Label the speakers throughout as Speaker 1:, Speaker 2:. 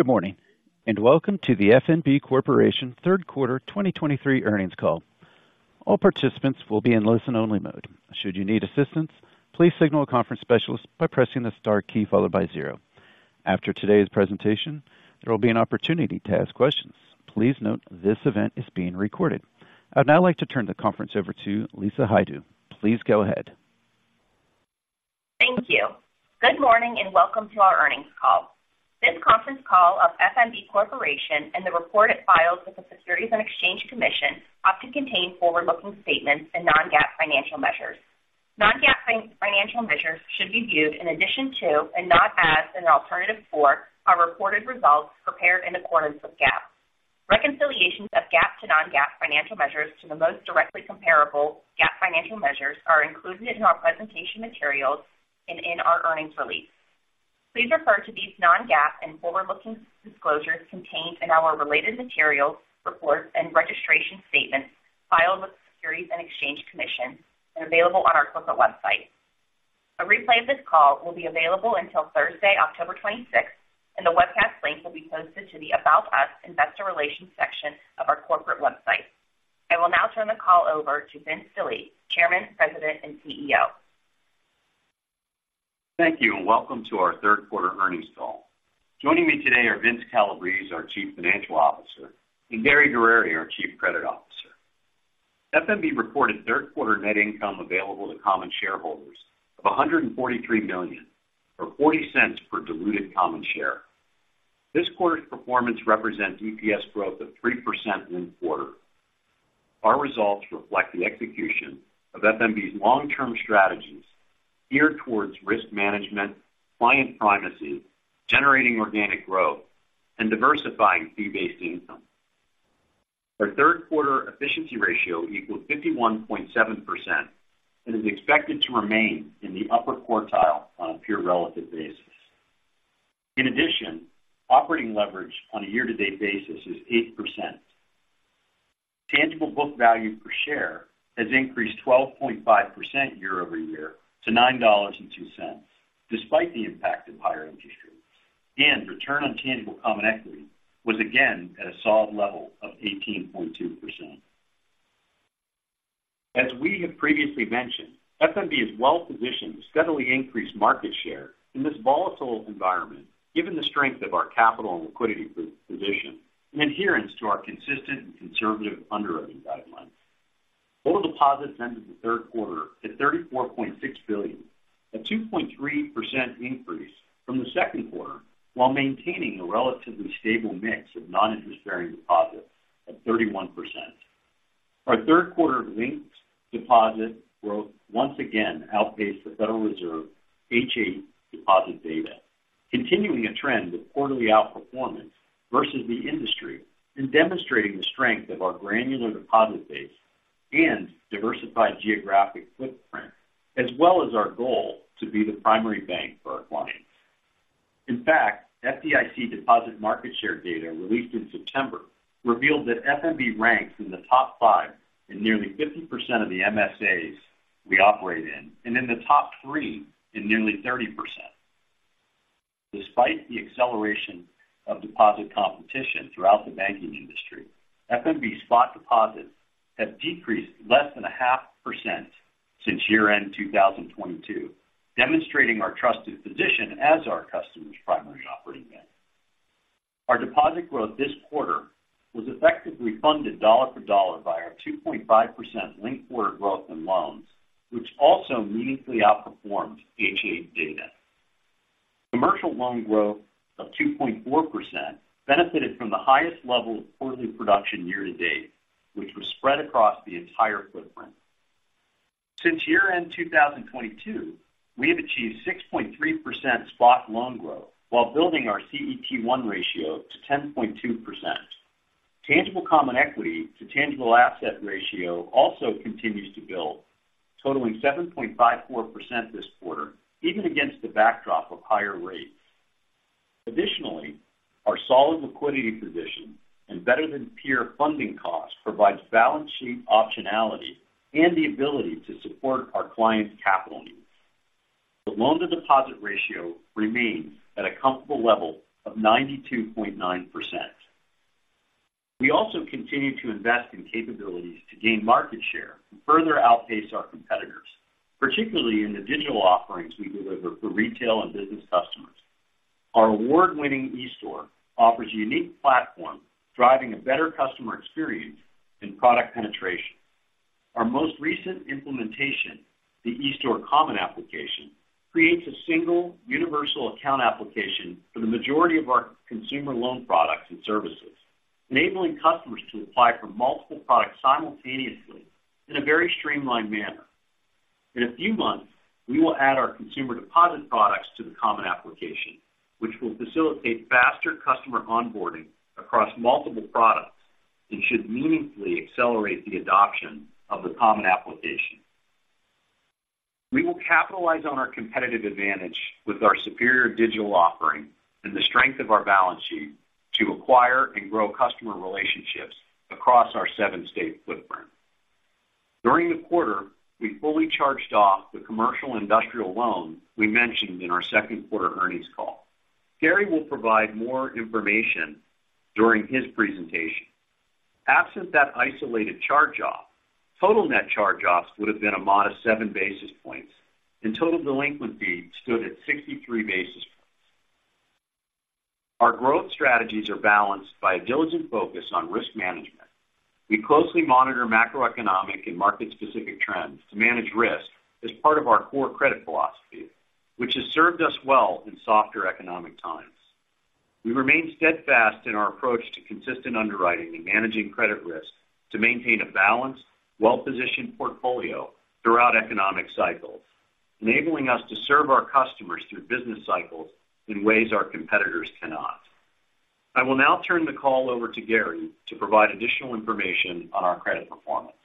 Speaker 1: Good morning, and welcome to the F.N.B. Corporation third quarter 2023 earnings call. All participants will be in listen-only mode. Should you need assistance, please signal a conference specialist by pressing the star key followed by zero. After today's presentation, there will be an opportunity to ask questions. Please note this event is being recorded. I'd now like to turn the conference over to Lisa Hajdu. Please go ahead.
Speaker 2: Thank you. Good morning, and welcome to our earnings call. This conference call of F.N.B. Corporation and the report it files with the Securities and Exchange Commission often contain forward-looking statements and non-GAAP financial measures. Non-GAAP financial measures should be viewed in addition to and not as an alternative for our reported results prepared in accordance with GAAP. Reconciliations of GAAP to non-GAAP financial measures to the most directly comparable GAAP financial measures are included in our presentation materials and in our earnings release. Please refer to these non-GAAP and forward-looking disclosures contained in our related materials, reports, and registration statements filed with the Securities and Exchange Commission and available on our corporate website. A replay of this call will be available until Thursday, October 26th, and the webcast link will be posted to the About Us Investor Relations section of our corporate website. I will now turn the call over to Vince Delie, Chairman, President, and CEO.
Speaker 3: Thank you, and welcome to our third quarter earnings call. Joining me today are Vince Calabrese, our Chief Financial Officer, and Gary Guerrieri, our Chief Credit Officer. F.N.B. reported third quarter net income available to common shareholders of $143 million, or $0.40 per diluted common share. This quarter's performance represents EPS growth of 3% in the quarter. Our results reflect the execution of F.N.B.'s long-term strategies geared towards risk management, client primacy, generating organic growth, and diversifying fee-based income. Our third quarter efficiency ratio equals 51.7% and is expected to remain in the upper quartile on a pure relative basis. In addition, operating leverage on a year-to-date basis is 8%. Tangible book value per share has increased 12.5% year-over-year to $9.02, despite the impact of higher interest rates, and return on tangible common equity was again at a solid level of 18.2%. As we have previously mentioned, F.N.B. is well-positioned to steadily increase market share in this volatile environment, given the strength of our capital and liquidity position and adherence to our consistent and conservative underwriting guidelines. Total deposits ended the third quarter at $34.6 billion, a 2.3% increase from the second quarter, while maintaining a relatively stable mix of non-interest-bearing deposits of 31%. Our third quarter linked deposit growth once again outpaced the Federal Reserve H.8 deposit data, continuing a trend of quarterly outperformance versus the industry and demonstrating the strength of our granular deposit base and diversified geographic footprint, as well as our goal to be the primary bank for our clients. In fact, FDIC deposit market share data released in September revealed that F.N.B. ranks in the top five in nearly 50% of the MSAs we operate in, and in the top three in nearly 30%. Despite the acceleration of deposit competition throughout the banking industry, F.N.B.'s spot deposits have decreased less than 0.5% since year-end 2022, demonstrating our trusted position as our customers' primary operating bank. Our deposit growth this quarter was effectively funded dollar for dollar by our 2.5% linked quarter growth in loans, which also meaningfully outperformed H.8 data. Commercial loan growth of 2.4% benefited from the highest level of quarterly production year to date, which was spread across the entire footprint. Since year-end 2022, we have achieved 6.3% spot loan growth while building our CET1 ratio to 10.2%. Tangible common equity to tangible asset ratio also continues to build, totaling 7.54% this quarter, even against the backdrop of higher rates. Additionally, our solid liquidity position and better-than-peer funding costs provides balance sheet optionality and the ability to support our clients' capital needs. The loan-to-deposit ratio remains at a comfortable level of 92.9%. We also continue to invest in capabilities to gain market share and further outpace our competitors, particularly in the digital offerings we deliver for retail and business customers. Our award-winning eStore offers a unique platform, driving a better customer experience and product penetration. Our most recent implementation, the eStore Common Application, creates a single universal account application for the majority of our consumer loan products and services, enabling customers to apply for multiple products simultaneously in a very streamlined manner. In a few months, we will add our consumer deposit products to the Common Application, which will facilitate faster customer onboarding across multiple products and should meaningfully accelerate the adoption of the Common Application. We will capitalize on our competitive advantage with our superior digital offering and the strength of our balance sheet to acquire and grow customer relationships across our seven-state footprint. During the quarter, we fully charged off the commercial and industrial loan we mentioned in our second quarter earnings call. Gary, will provide more information during his presentation. Absent that isolated charge-off, total net charge-offs would have been a modest 7 basis points, and total delinquency stood at 63 basis points. Our growth strategies are balanced by a diligent focus on risk management. We closely monitor macroeconomic and market-specific trends to manage risk as part of our core credit philosophy, which has served us well in softer economic times. We remain steadfast in our approach to consistent underwriting and managing credit risk to maintain a balanced, well-positioned portfolio throughout economic cycles, enabling us to serve our customers through business cycles in ways our competitors cannot. I will now turn the call over to Gary, to provide additional information on our credit performance.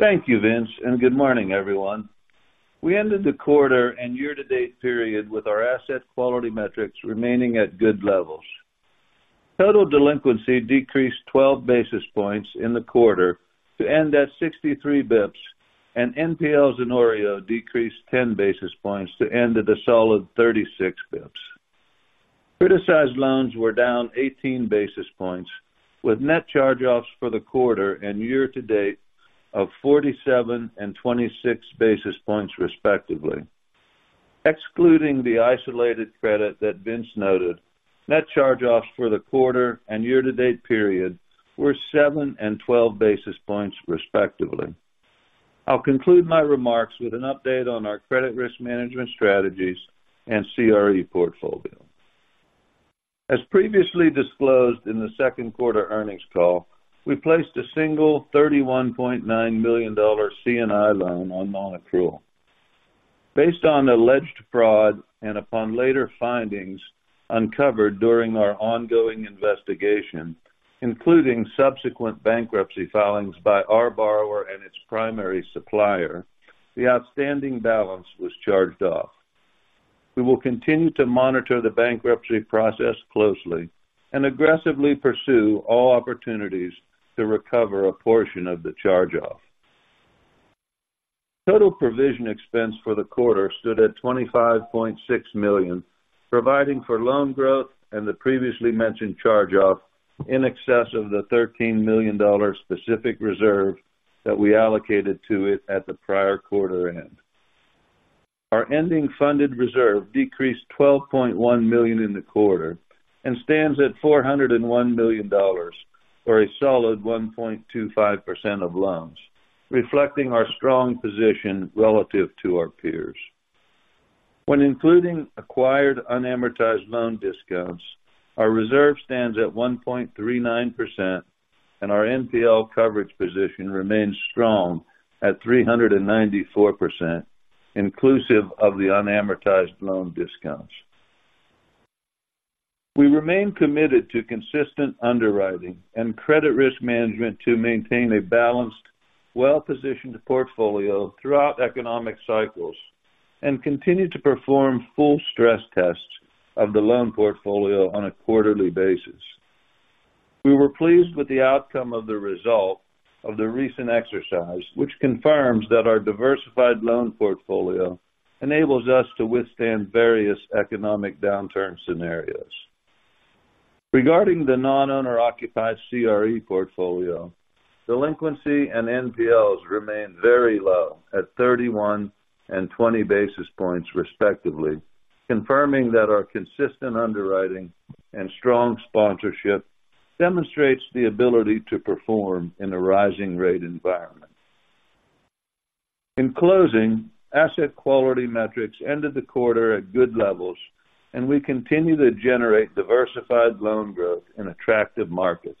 Speaker 4: Thank you, Vince, and good morning, everyone. We ended the quarter and year-to-date period with our asset quality metrics remaining at good levels. Total delinquency decreased 12 basis points in the quarter to end at 63 basis points, and NPLs and OREO decreased 10 basis points to end at a solid 36 basis points. Criticized loans were down 18 basis points, with net charge-offs for the quarter and year-to- date of 47 and 26 basis points, respectively. Excluding the isolated credit that Vince noted, net charge-offs for the quarter and year-to-date period were 7 and 12 basis points, respectively. I'll conclude my remarks with an update on our credit risk management strategies and CRE portfolio. As previously disclosed in the second quarter earnings call, we placed a single $31.9 million C&I loan on nonaccrual. Based on alleged fraud and upon later findings uncovered during our ongoing investigation, including subsequent bankruptcy filings by our borrower and its primary supplier, the outstanding balance was charged off. We will continue to monitor the bankruptcy process closely and aggressively pursue all opportunities to recover a portion of the charge-off. Total provision expense for the quarter stood at $25.6 million, providing for loan growth and the previously mentioned charge-off in excess of the $13 million specific reserve that we allocated to it at the prior quarter end. Our ending funded reserve decreased $12.1 million in the quarter and stands at $401 million, or a solid 1.25% of loans, reflecting our strong position relative to our peers. When including acquired unamortized loan discounts, our reserve stands at 1.39%, and our NPL coverage position remains strong at 394%, inclusive of the unamortized loan discounts. We remain committed to consistent underwriting and credit risk management to maintain a balanced, well-positioned portfolio throughout economic cycles and continue to perform full stress tests of the loan portfolio on a quarterly basis. We were pleased with the outcome of the result of the recent exercise, which confirms that our diversified loan portfolio enables us to withstand various economic downturn scenarios. Regarding the non-owner-occupied CRE portfolio, delinquency and NPLs remain very low at 31 and 20 basis points, respectively, confirming that our consistent underwriting and strong sponsorship demonstrates the ability to perform in a rising rate environment. In closing, asset quality metrics ended the quarter at good levels, and we continue to generate diversified loan growth in attractive markets.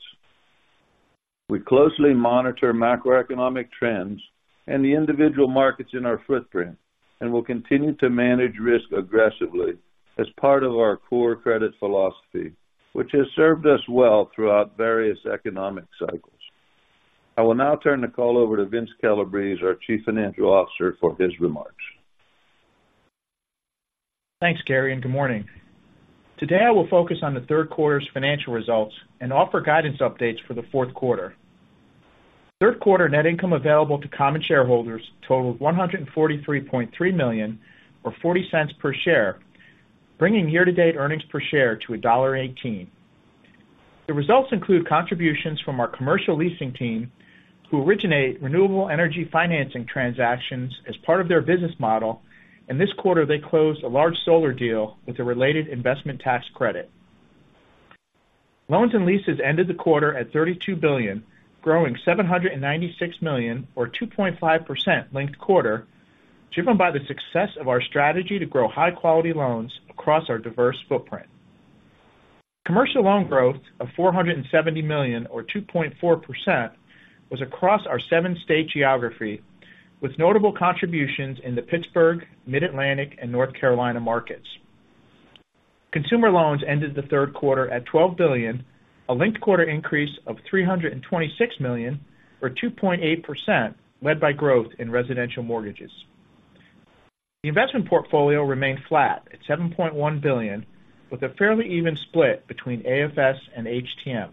Speaker 4: We closely monitor macroeconomic trends and the individual markets in our footprint and will continue to manage risk aggressively as part of our core credit philosophy, which has served us well throughout various economic cycles. I will now turn the call over to Vince Calabrese, our Chief Financial Officer, for his remarks.
Speaker 5: Thanks, Gary, and good morning. Today, I will focus on the third quarter's financial results and offer guidance updates for the fourth quarter. Third quarter net income available to common shareholders totaled $143.3 million, or $0.40 per share, bringing year-to-date earnings per share to $1.18. The results include contributions from our commercial leasing team, who originate renewable energy financing transactions as part of their business model, and this quarter they closed a large solar deal with a related investment tax credit. Loans and leases ended the quarter at $32 billion, growing $796 million or 2.5% linked quarter, driven by the success of our strategy to grow high-quality loans across our diverse footprint. Commercial loan growth of $470 million or 2.4% was across our seven-state geography, with notable contributions in the Pittsburgh, Mid-Atlantic, and North Carolina markets. Consumer loans ended the third quarter at $12 billion, a linked quarter increase of $326 million, or 2.8%, led by growth in residential mortgages. The investment portfolio remained flat at $7.1 billion, with a fairly even split between AFS and HTM.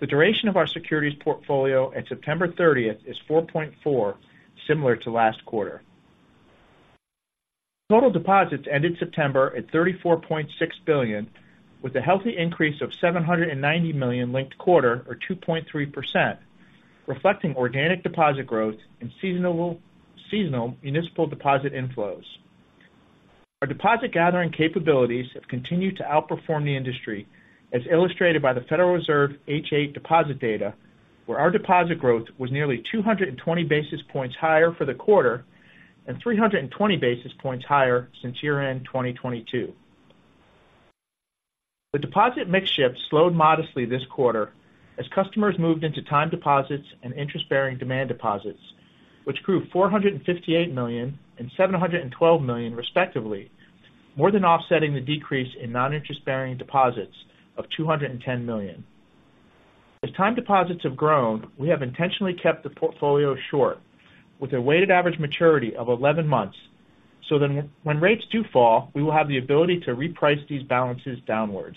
Speaker 5: The duration of our securities portfolio at September 30th is 4.4, similar to last quarter. Total deposits ended September at $34.6 billion, with a healthy increase of $790 million linked quarter, or 2.3%, reflecting organic deposit growth and seasonal municipal deposit inflows. Our deposit gathering capabilities have continued to outperform the industry, as illustrated by the Federal Reserve H.8 deposit data, where our deposit growth was nearly 220 basis points higher for the quarter and 320 basis points higher since year-end 2022. The deposit mix shift slowed modestly this quarter as customers moved into time deposits and interest-bearing demand deposits, which grew $458 million and $712 million, respectively, more than offsetting the decrease in non-interest-bearing deposits of $210 million. As time deposits have grown, we have intentionally kept the portfolio short, with a weighted average maturity of 11 months, so then when rates do fall, we will have the ability to reprice these balances downwards.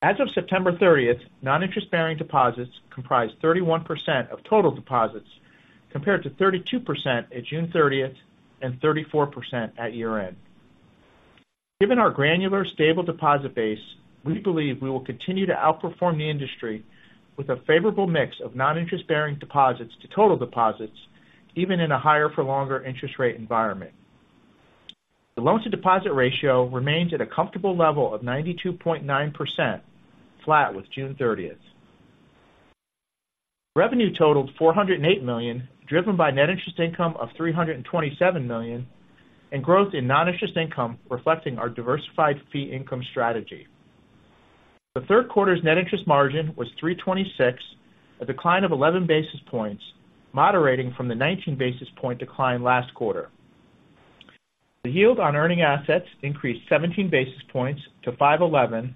Speaker 5: As of September 30th, non-interest-bearing deposits comprised 31% of total deposits, compared to 32% at June 30 and 34% at year-end. Given our granular, stable deposit base, we believe we will continue to outperform the industry with a favorable mix of non-interest-bearing deposits to total deposits, even in a higher-for-longer interest rate environment. The loan-to-deposit ratio remains at a comfortable level of 92.9%, flat with June 30th. Revenue totaled $408 million, driven by net interest income of $327 million and growth in non-interest income, reflecting our diversified fee income strategy. The third quarter's net interest margin was 3.26%, a decline of 11 basis points, moderating from the 19 basis point decline last quarter. The yield on earning assets increased 17 basis points to 5.11%,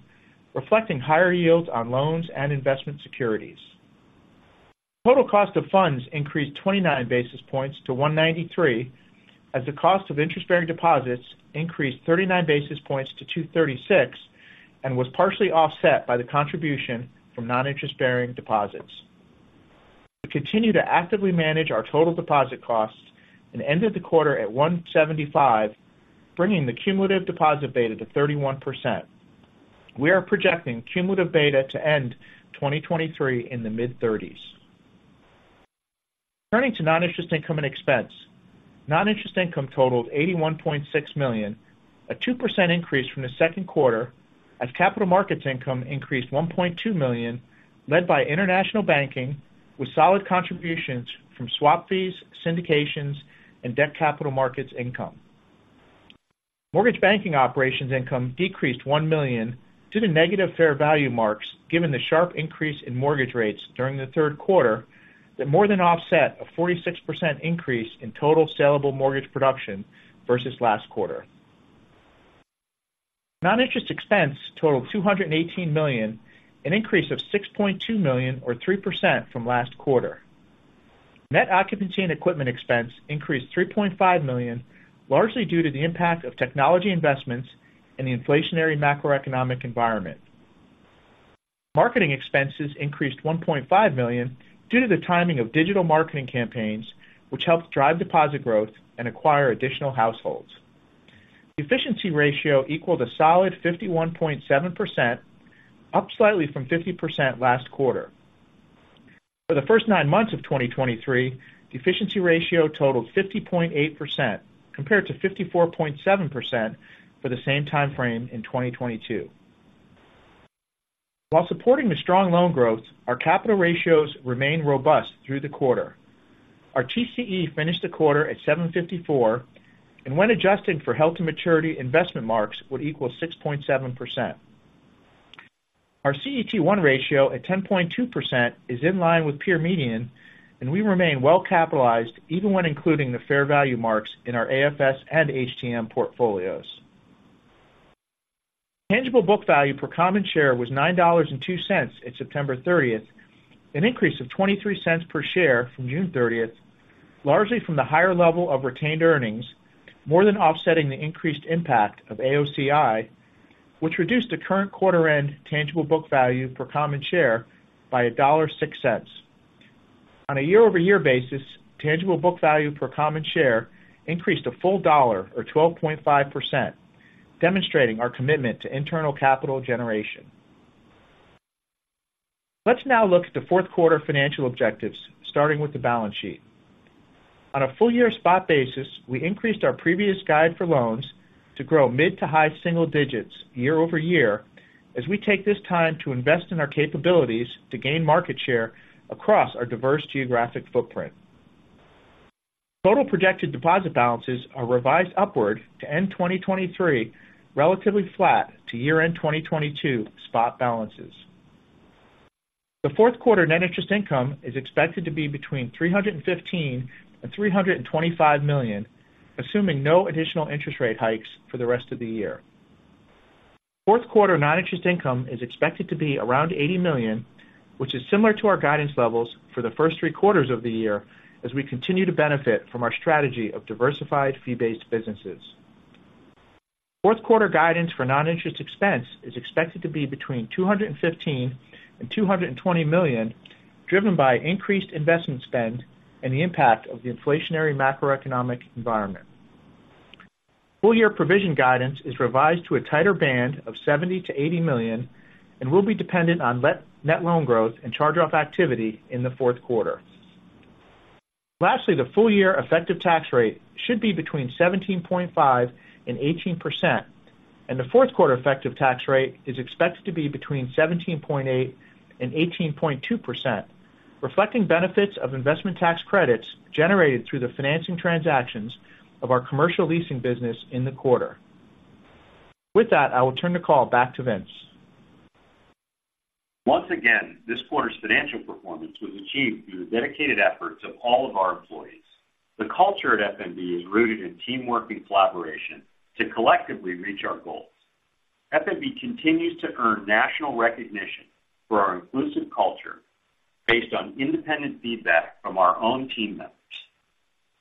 Speaker 5: reflecting higher yields on loans and investment securities. Total cost of funds increased 29 basis points to 1.93, as the cost of interest-bearing deposits increased 39 basis points to 2.36 and was partially offset by the contribution from non-interest-bearing deposits. We continue to actively manage our total deposit costs and ended the quarter at 1.75, bringing the cumulative deposit beta to 31%. We are projecting cumulative beta to end 2023 in the mid-30s. Turning to non-interest income and expense. Non-interest income totaled $81.6 million, a 2% increase from the second quarter, as capital markets income increased $1.2 million, led by international banking, with solid contributions from swap fees, syndications, and debt capital markets income. Mortgage banking operations income decreased $1 million due to negative fair value marks, given the sharp increase in mortgage rates during the third quarter, that more than offset a 46% increase in total salable mortgage production versus last quarter. Non-interest expense totaled $218 million, an increase of $6.2 million, or 3%, from last quarter. Net occupancy and equipment expense increased $3.5 million, largely due to the impact of technology investments and the inflationary macroeconomic environment. Marketing expenses increased $1.5 million due to the timing of digital marketing campaigns, which helped drive deposit growth and acquire additional households. Efficiency ratio equaled a solid 51.7%, up slightly from 50% last quarter. For the first nine months of 2023, the efficiency ratio totaled 50.8%, compared to 54.7% for the same time frame in 2022. While supporting the strong loan growth, our capital ratios remained robust through the quarter. Our TCE finished the quarter at 7.54, and when adjusted for held-to-maturity investment marks, would equal 6.7%. Our CET1 ratio, at 10.2%, is in line with peer median, and we remain well capitalized, even when including the fair value marks in our AFS and HTM portfolios. Tangible book value per common share was $9.02 at September 30th, an increase of $0.23 per share from June 30th, largely from the higher level of retained earnings, more than offsetting the increased impact of AOCI, which reduced the current quarter-end tangible book value per common share by $1.06. On a year-over-year basis, tangible book value per common share increased $1, or 12.5%, demonstrating our commitment to internal capital generation. Let's now look at the fourth quarter financial objectives, starting with the balance sheet. On a full year spot basis, we increased our previous guide for loans to grow mid-high single digits year-over-year, as we take this time to invest in our capabilities to gain market share across our diverse geographic footprint. Total projected deposit balances are revised upward to end 2023, relatively flat to year-end 2022 spot balances. The fourth quarter net interest income is expected to be between $315 million and $325 million, assuming no additional interest rate hikes for the rest of the year. Fourth quarter non-interest income is expected to be around $80 million, which is similar to our guidance levels for the first three quarters of the year, as we continue to benefit from our strategy of diversified fee-based businesses. Fourth quarter guidance for non-interest expense is expected to be between $215 million and $220 million, driven by increased investment spend and the impact of the inflationary macroeconomic environment. Full year provision guidance is revised to a tighter band of $70 million-$80 million and will be dependent on net loan growth and charge-off activity in the fourth quarter. Lastly, the full year effective tax rate should be between 17.5% and 18%, and the fourth quarter effective tax rate is expected to be between 17.8% and 18.2%, reflecting benefits of investment tax credits generated through the financing transactions of our commercial leasing business in the quarter. With that, I will turn the call back to Vince.
Speaker 3: Once again, this quarter's financial performance was achieved through the dedicated efforts of all of our employees. The culture at F.N.B. is rooted in teamwork and collaboration to collectively reach our goals. F.N.B. continues to earn national recognition for our inclusive culture based on independent feedback from our own team members.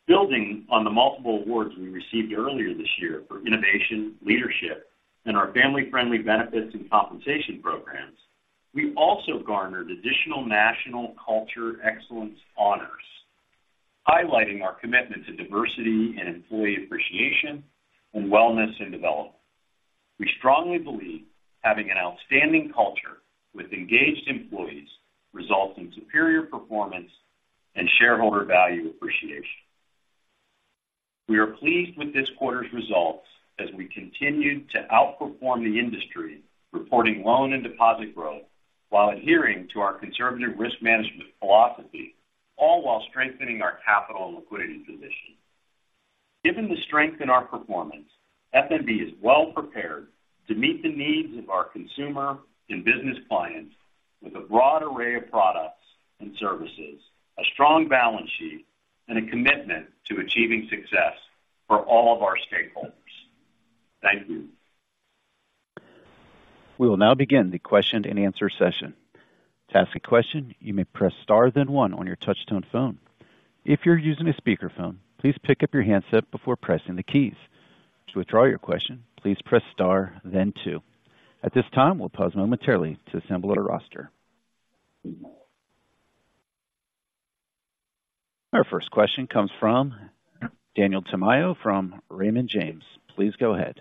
Speaker 3: Building on the multiple awards we received earlier this year for innovation, leadership, and our family-friendly benefits and compensation programs, we also garnered additional national culture excellence honors, highlighting our commitment to diversity and employee appreciation and wellness and development. We strongly believe having an outstanding culture with engaged employees results in superior performance and shareholder value appreciation. We are pleased with this quarter's results as we continued to outperform the industry, reporting loan and deposit growth while adhering to our conservative risk management philosophy, all while strengthening our capital and liquidity position. Given the strength in our performance, F.N.B. is well prepared to meet the needs of our consumer and business clients with a broad array of products and services, a strong balance sheet, and a commitment to achieving success for all of our stakeholders. Thank you.
Speaker 1: We will now begin the question-and-answer session. To ask a question, you may press star, then one on your touchtone phone. If you're using a speakerphone, please pick up your handset before pressing the keys. To withdraw your question, please press star then two. At this time, we'll pause momentarily to assemble our roster. Our first question comes from Daniel Tamayo from Raymond James. Please go ahead.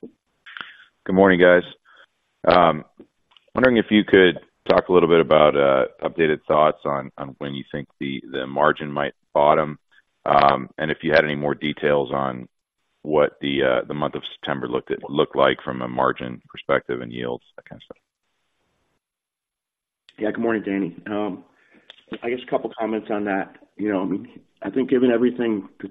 Speaker 6: Good morning, guys. Wondering if you could talk a little bit about updated thoughts on when you think the margin might bottom. And if you had any more details on what the month of September looked like from a margin perspective and yields, that kind of stuff.
Speaker 3: Yeah. Good morning, Danny. I guess a couple of comments on that. You know, I think given everything the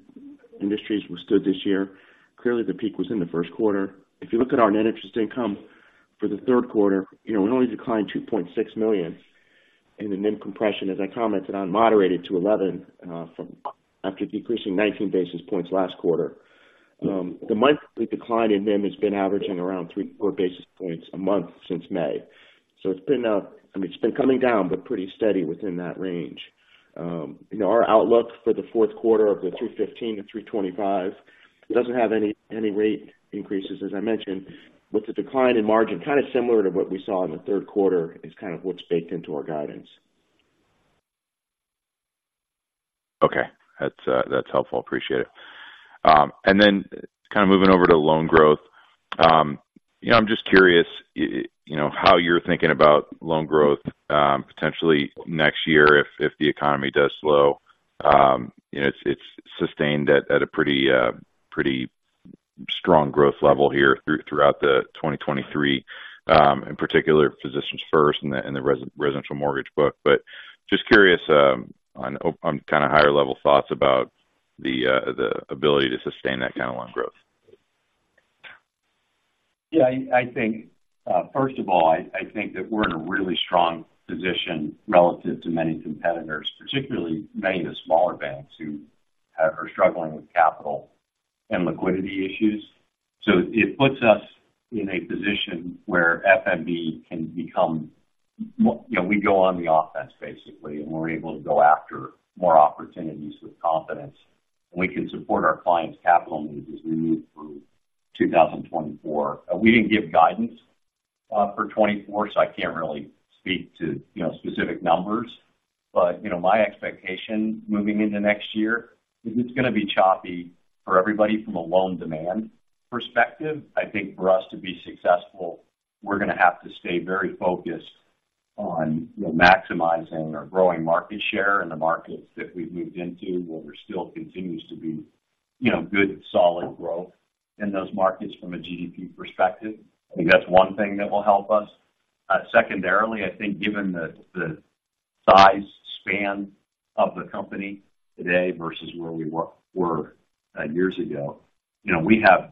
Speaker 3: industries withstood this year, clearly the peak was in the first quarter. If you look at our net interest income for the third quarter, you know, it only declined $2.6 million, and the NIM compression, as I commented on, moderated to 11 basis points after decreasing 19 basis points last quarter. The monthly decline in NIM has been averaging around 3-4 basis points a month since May. So it's been, I mean, it's been coming down, but pretty steady within that range. You know, our outlook for the fourth quarter of the 215-325 doesn't have any rate increases, as I mentioned, with the decline in margin, kind of similar to what we saw in the third quarter, is kind of what's baked into our guidance.
Speaker 6: Okay. That's, that's helpful. Appreciate it. And then kind of moving over to loan growth. You know, I'm just curious, you know, how you're thinking about loan growth, potentially next year if, if the economy does slow. You know, it's, it's sustained at, at a pretty, pretty strong growth level here throughout 2023, in particular, Physicians First and the, and the residential mortgage book. But just curious, on, on kind of higher level thoughts about the, the ability to sustain that kind of loan growth.
Speaker 3: Yeah, I think, first of all, I think that we're in a really strong position relative to many competitors, particularly many of the smaller banks who are struggling with capital and liquidity issues. So it puts us in a position where F.N.B. can become more, you know, we go on the offense basically, and we're able to go after more opportunities with confidence, and we can support our clients' capital needs as we move through 2024. We didn't give guidance for 2024, so I can't really speak to, you know, specific numbers. But, you know, my expectation moving into next year is it's going to be choppy for everybody from a loan demand perspective. I think for us to be successful, we're going to have to stay very focused on maximizing or growing market share in the markets that we've moved into, where there still continues to be, you know, good, solid growth in those markets from a GDP perspective. I think that's one thing that will help us. Secondarily, I think given the size span of the company today versus where we were years ago, you know, we have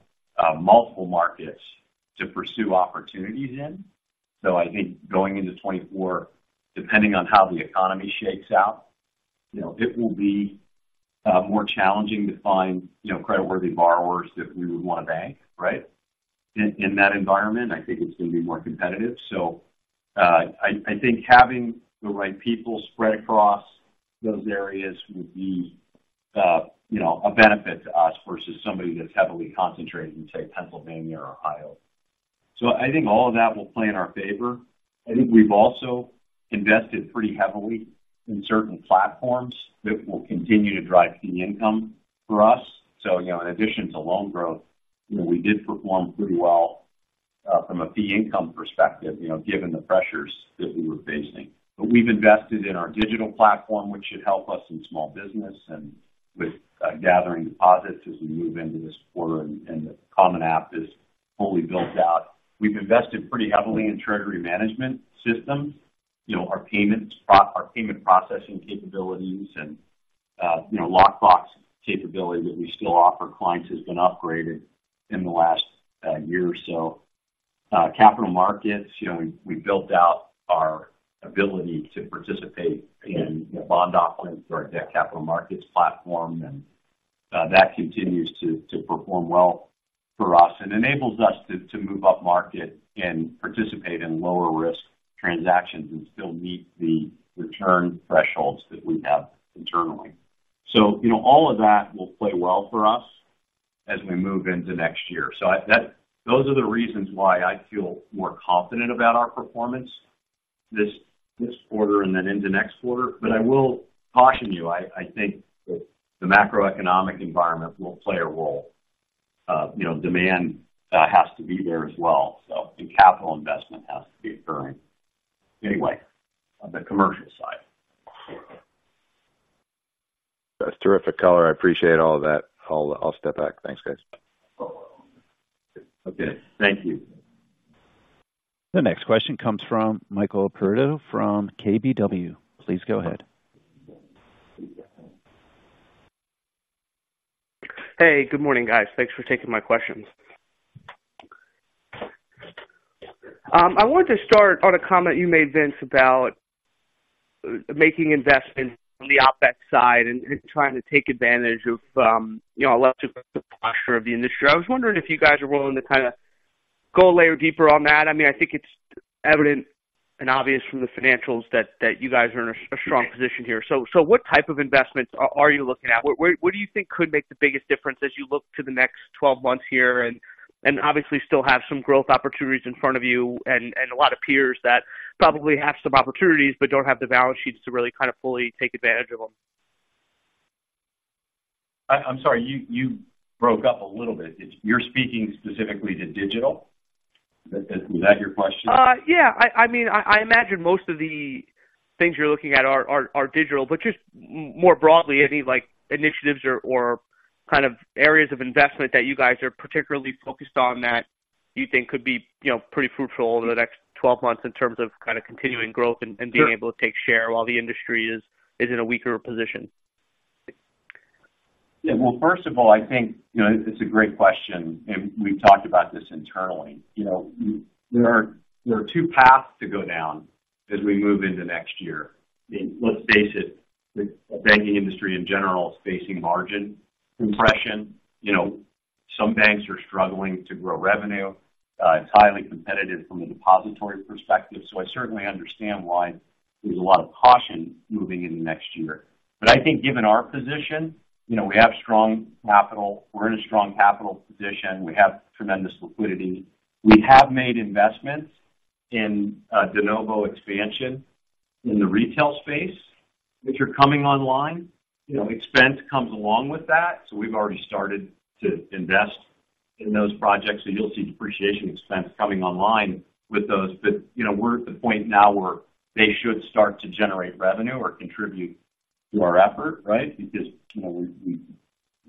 Speaker 3: multiple markets to pursue opportunities in. So I think going into 2024, depending on how the economy shakes out, you know, it will be more challenging to find, you know, creditworthy borrowers that we would want to bank, right? In that environment, I think it's going to be more competitive. So, I think having the right people spread across those areas will be, you know, a benefit to us versus somebody that's heavily concentrated in, say, Pennsylvania or Ohio. So I think all of that will play in our favor. I think we've also invested pretty heavily in certain platforms that will continue to drive fee income for us. So, you know, in addition to loan growth, you know, we did perform pretty well from a fee income perspective, you know, given the pressures that we were facing. But we've invested in our digital platform, which should help us in small business and with gathering deposits as we move into this quarter and the Common App is fully built out. We've invested pretty heavily in treasury management systems. You know, our payment processing capabilities and, you know, lockbox capability that we still offer clients has been upgraded in the last year or so. Capital markets, you know, we built out our ability to participate in, you know, bond offerings through our debt capital markets platform, and that continues to perform well for us and enables us to move up market and participate in lower risk transactions and still meet the return thresholds that we have internally. So, you know, all of that will play well for us as we move into next year. So those are the reasons why I feel more confident about our performance this quarter and then into next quarter. But I will caution you, I think that the macroeconomic environment will play a role. You know, demand has to be there as well, so, and capital investment has to be occurring. Anyway, on the commercial side.
Speaker 6: That's terrific color. I appreciate all of that. I'll, I'll step back. Thanks, guys.
Speaker 3: Okay. Thank you.
Speaker 1: The next question comes from Michael Perito from KBW. Please go ahead.
Speaker 7: Hey, good morning, guys. Thanks for taking my questions. I wanted to start on a comment you made, Vince, about making investments on the OpEx side and trying to take advantage of, you know, a lesser posture of the industry. I was wondering if you guys are willing to kind of go a layer deeper on that. I mean, I think it's evident and obvious from the financials that you guys are in a strong position here. So what type of investments are you looking at? What do you think could make the biggest difference as you look to the next 12 months here and, and obviously still have some growth opportunities in front of you and, and a lot of peers that probably have some opportunities but don't have the balance sheets to really kind of fully take advantage of them?
Speaker 3: I'm sorry, you broke up a little bit. You're speaking specifically to digital? Is that your question?
Speaker 7: Yeah. I mean, I imagine most of the things you're looking at are digital, but just more broadly, any like, initiatives or kind of areas of investment that you guys are particularly focused on that you think could be, you know, pretty fruitful over the next 12 months in terms of kind of continuing growth and-
Speaker 3: Sure
Speaker 7: -being able to take share while the industry is in a weaker position?
Speaker 3: Yeah. Well, first of all, I think, you know, it's a great question, and we've talked about this internally. You know, there are two paths to go down as we move into next year. Let's face it, the banking industry in general is facing margin compression. You know, some banks are struggling to grow revenue. It's highly competitive from a depository perspective, so I certainly understand why there's a lot of caution moving into next year. But I think given our position, you know, we have strong capital. We're in a strong capital position. We have tremendous liquidity. We have made investments in de novo expansion in the retail space, which are coming online. You know, expense comes along with that, so we've already started to invest in those projects, so you'll see depreciation expense coming online with those. But, you know, we're at the point now where they should start to generate revenue or contribute to our effort, right? Because, you know, we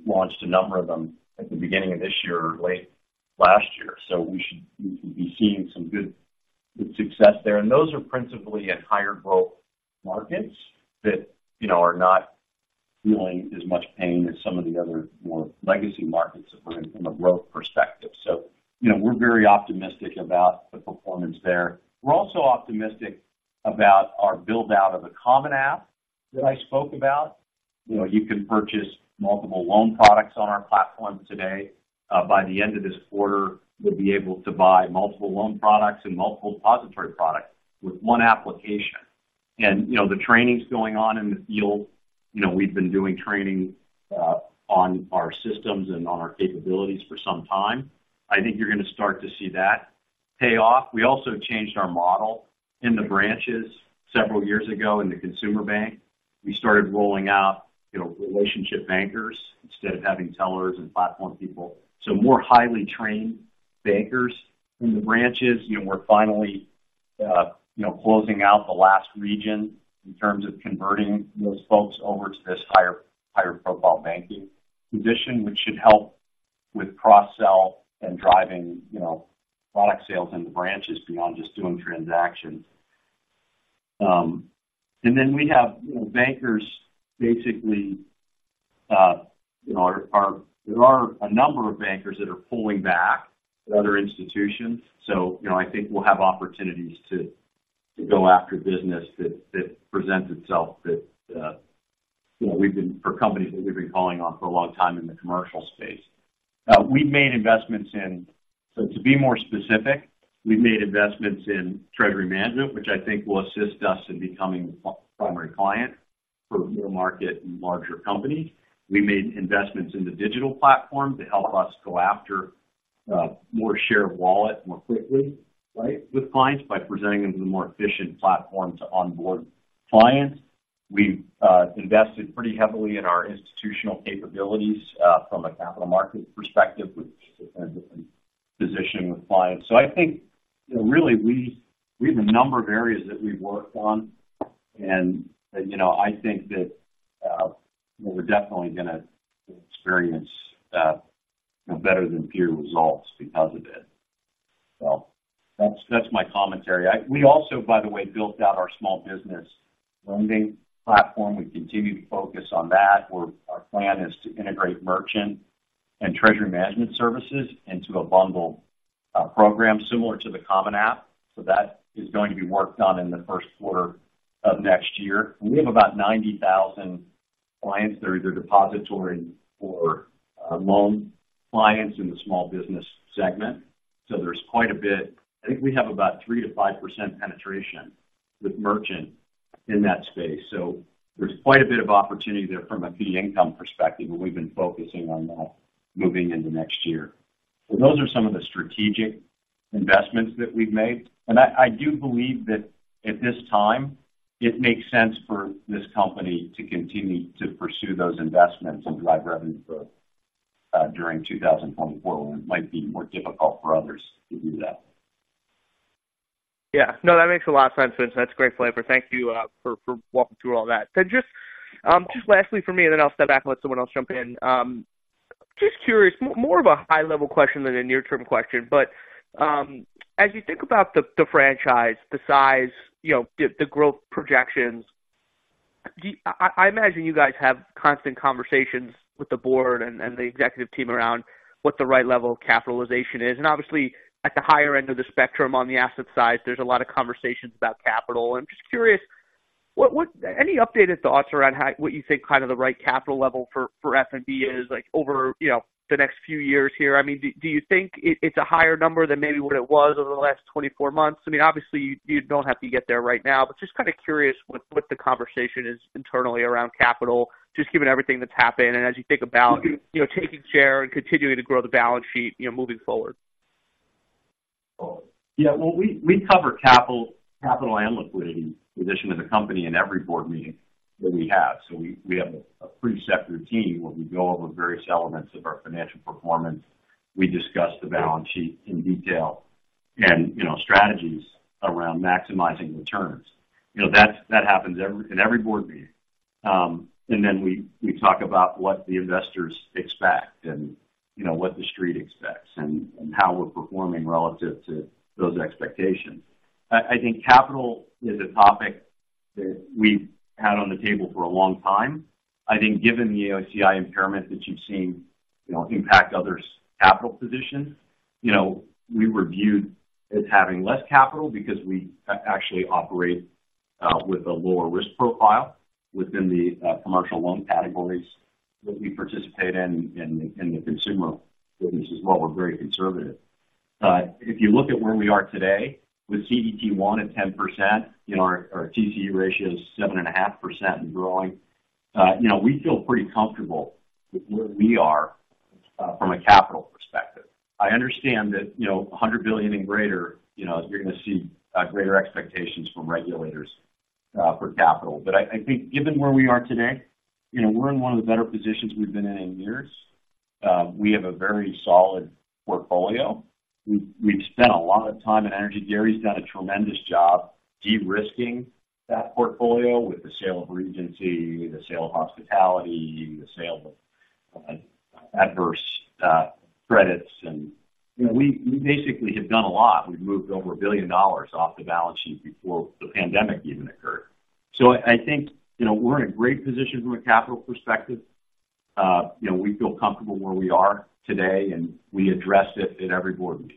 Speaker 3: launched a number of them at the beginning of this year or late last year, so we should be seeing some good, good success there. And those are principally in higher growth markets that, you know, are not feeling as much pain as some of the other more legacy markets from a growth perspective. So, you know, we're very optimistic about the performance there. We're also optimistic about our build-out of the common app that I spoke about. You know, you can purchase multiple loan products on our platform today. By the end of this quarter, we'll be able to buy multiple loan products and multiple depository products with one application. And, you know, the training's going on in the field. You know, we've been doing training on our systems and on our capabilities for some time. I think you're going to start to see that pay off. We also changed our model in the branches several years ago in the consumer bank. We started rolling out, you know, relationship bankers instead of having tellers and platform people, so more highly trained bankers in the branches. You know, we're finally, you know, closing out the last region in terms of converting those folks over to this higher, higher profile banking position, which should help with cross-sell and driving, you know, product sales in the branches beyond just doing transactions. And then we have, you know, there are a number of bankers that are pulling back at other institutions. So, you know, I think we'll have opportunities to go after business that presents itself, that you know, for companies that we've been calling on for a long time in the commercial space. We've made investments in. So to be more specific, we've made investments in treasury management, which I think will assist us in becoming the primary client for middle market and larger companies. We made investments in the digital platform to help us go after more share of wallet more quickly, right, with clients by presenting them with a more efficient platform to onboard clients. We've invested pretty heavily in our institutional capabilities from a capital market perspective, which is a position with clients. So I think, you know, really, we have a number of areas that we've worked on. You know, I think that we're definitely gonna experience better than peer results because of it. So that's my commentary. We also, by the way, built out our small business lending platform. We continue to focus on that, where our plan is to integrate merchant and treasury management services into a bundle program similar to the Common App. So that is going to be worked on in the first quarter of next year. We have about 90,000 clients. They're either depository or loan clients in the small business segment. So there's quite a bit. I think we have about 3%-5% penetration with merchant in that space. So there's quite a bit of opportunity there from a fee income perspective, and we've been focusing on that moving into next year. So those are some of the strategic investments that we've made. I do believe that at this time, it makes sense for this company to continue to pursue those investments and drive revenue growth during 2024, when it might be more difficult for others to do that.
Speaker 7: Yeah. No, that makes a lot of sense, Vince. That's a great flavor. Thank you for walking through all that. So just lastly from me, and then I'll step back and let someone else jump in. Just curious, more of a high-level question than a near-term question, but as you think about the franchise, the size, you know, the growth projections, do you, I imagine you guys have constant conversations with the board and the executive team around what the right level of capitalization is. And obviously, at the higher end of the spectrum, on the asset side, there's a lot of conversations about capital. I'm just curious, what was, any updated thoughts around how what you think kind of the right capital level for F.N.B. is, like, over, you know, the next few years here? I mean, do you think it's a higher number than maybe what it was over the last 24 months? I mean, obviously, you don't have to get there right now, but just kind of curious what the conversation is internally around capital, just given everything that's happened, and as you think about, you know, taking share and continuing to grow the balance sheet, you know, moving forward.
Speaker 3: Yeah. Well, we cover capital and liquidity position of the company in every board meeting that we have. So we have a pretty set routine where we go over various elements of our financial performance. We discuss the balance sheet in detail and, you know, strategies around maximizing returns. You know, that's, that happens every, in every board meeting. And then we talk about what the investors expect and, you know, what the Street expects and how we're performing relative to those expectations. I think capital is a topic that we've had on the table for a long time. I think given the AOCI impairment that you've seen, you know, impact others' capital positions, you know, we were viewed as having less capital because we actually operate with a lower risk profile within the commercial loan categories that we participate in the consumer business as well. We're very conservative. If you look at where we are today, with CET1 at 10%, you know, our TCE ratio is 7.5% and growing. You know, we feel pretty comfortable with where we are from a capital perspective. I understand that, you know, $100 billion and greater, you know, you're going to see greater expectations from regulators for capital. But I think given where we are today, you know, we're in one of the better positions we've been in in years. We have a very solid portfolio. We've spent a lot of time and energy. Gary's done a tremendous job de-risking that portfolio with the sale of Regency, the sale of hospitality, the sale of adverse credits and, you know, we basically have done a lot. We've moved over $1 billion off the balance sheet before the pandemic even occurred. So I think, you know, we're in a great position from a capital perspective. You know, we feel comfortable where we are today, and we address it at every board meeting.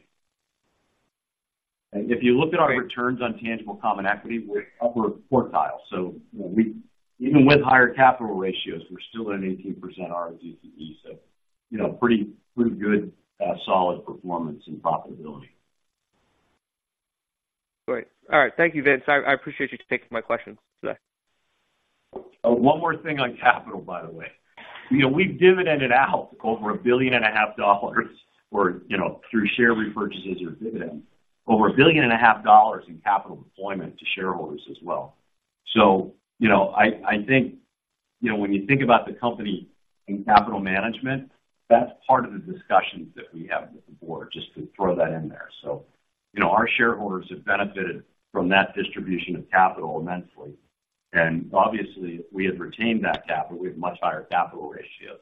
Speaker 3: And if you look at our returns on tangible common equity, we're upper quartile. So, you know, we even with higher capital ratios, we're still at 18% ROE, so, you know, pretty, pretty good, solid performance and profitability.
Speaker 7: Great. All right. Thank you, Vince. I, I appreciate you taking my questions today.
Speaker 3: Oh, one more thing on capital, by the way. You know, we've dividended out over $1.5 billion or, you know, through share repurchases or dividend, over $1.5 billion in capital deployment to shareholders as well. So, you know, I, I think, you know, when you think about the company in capital management, that's part of the discussions that we have with the board, just to throw that in there. So, you know, our shareholders have benefited from that distribution of capital immensely. And obviously, if we had retained that capital, we have much higher capital ratios,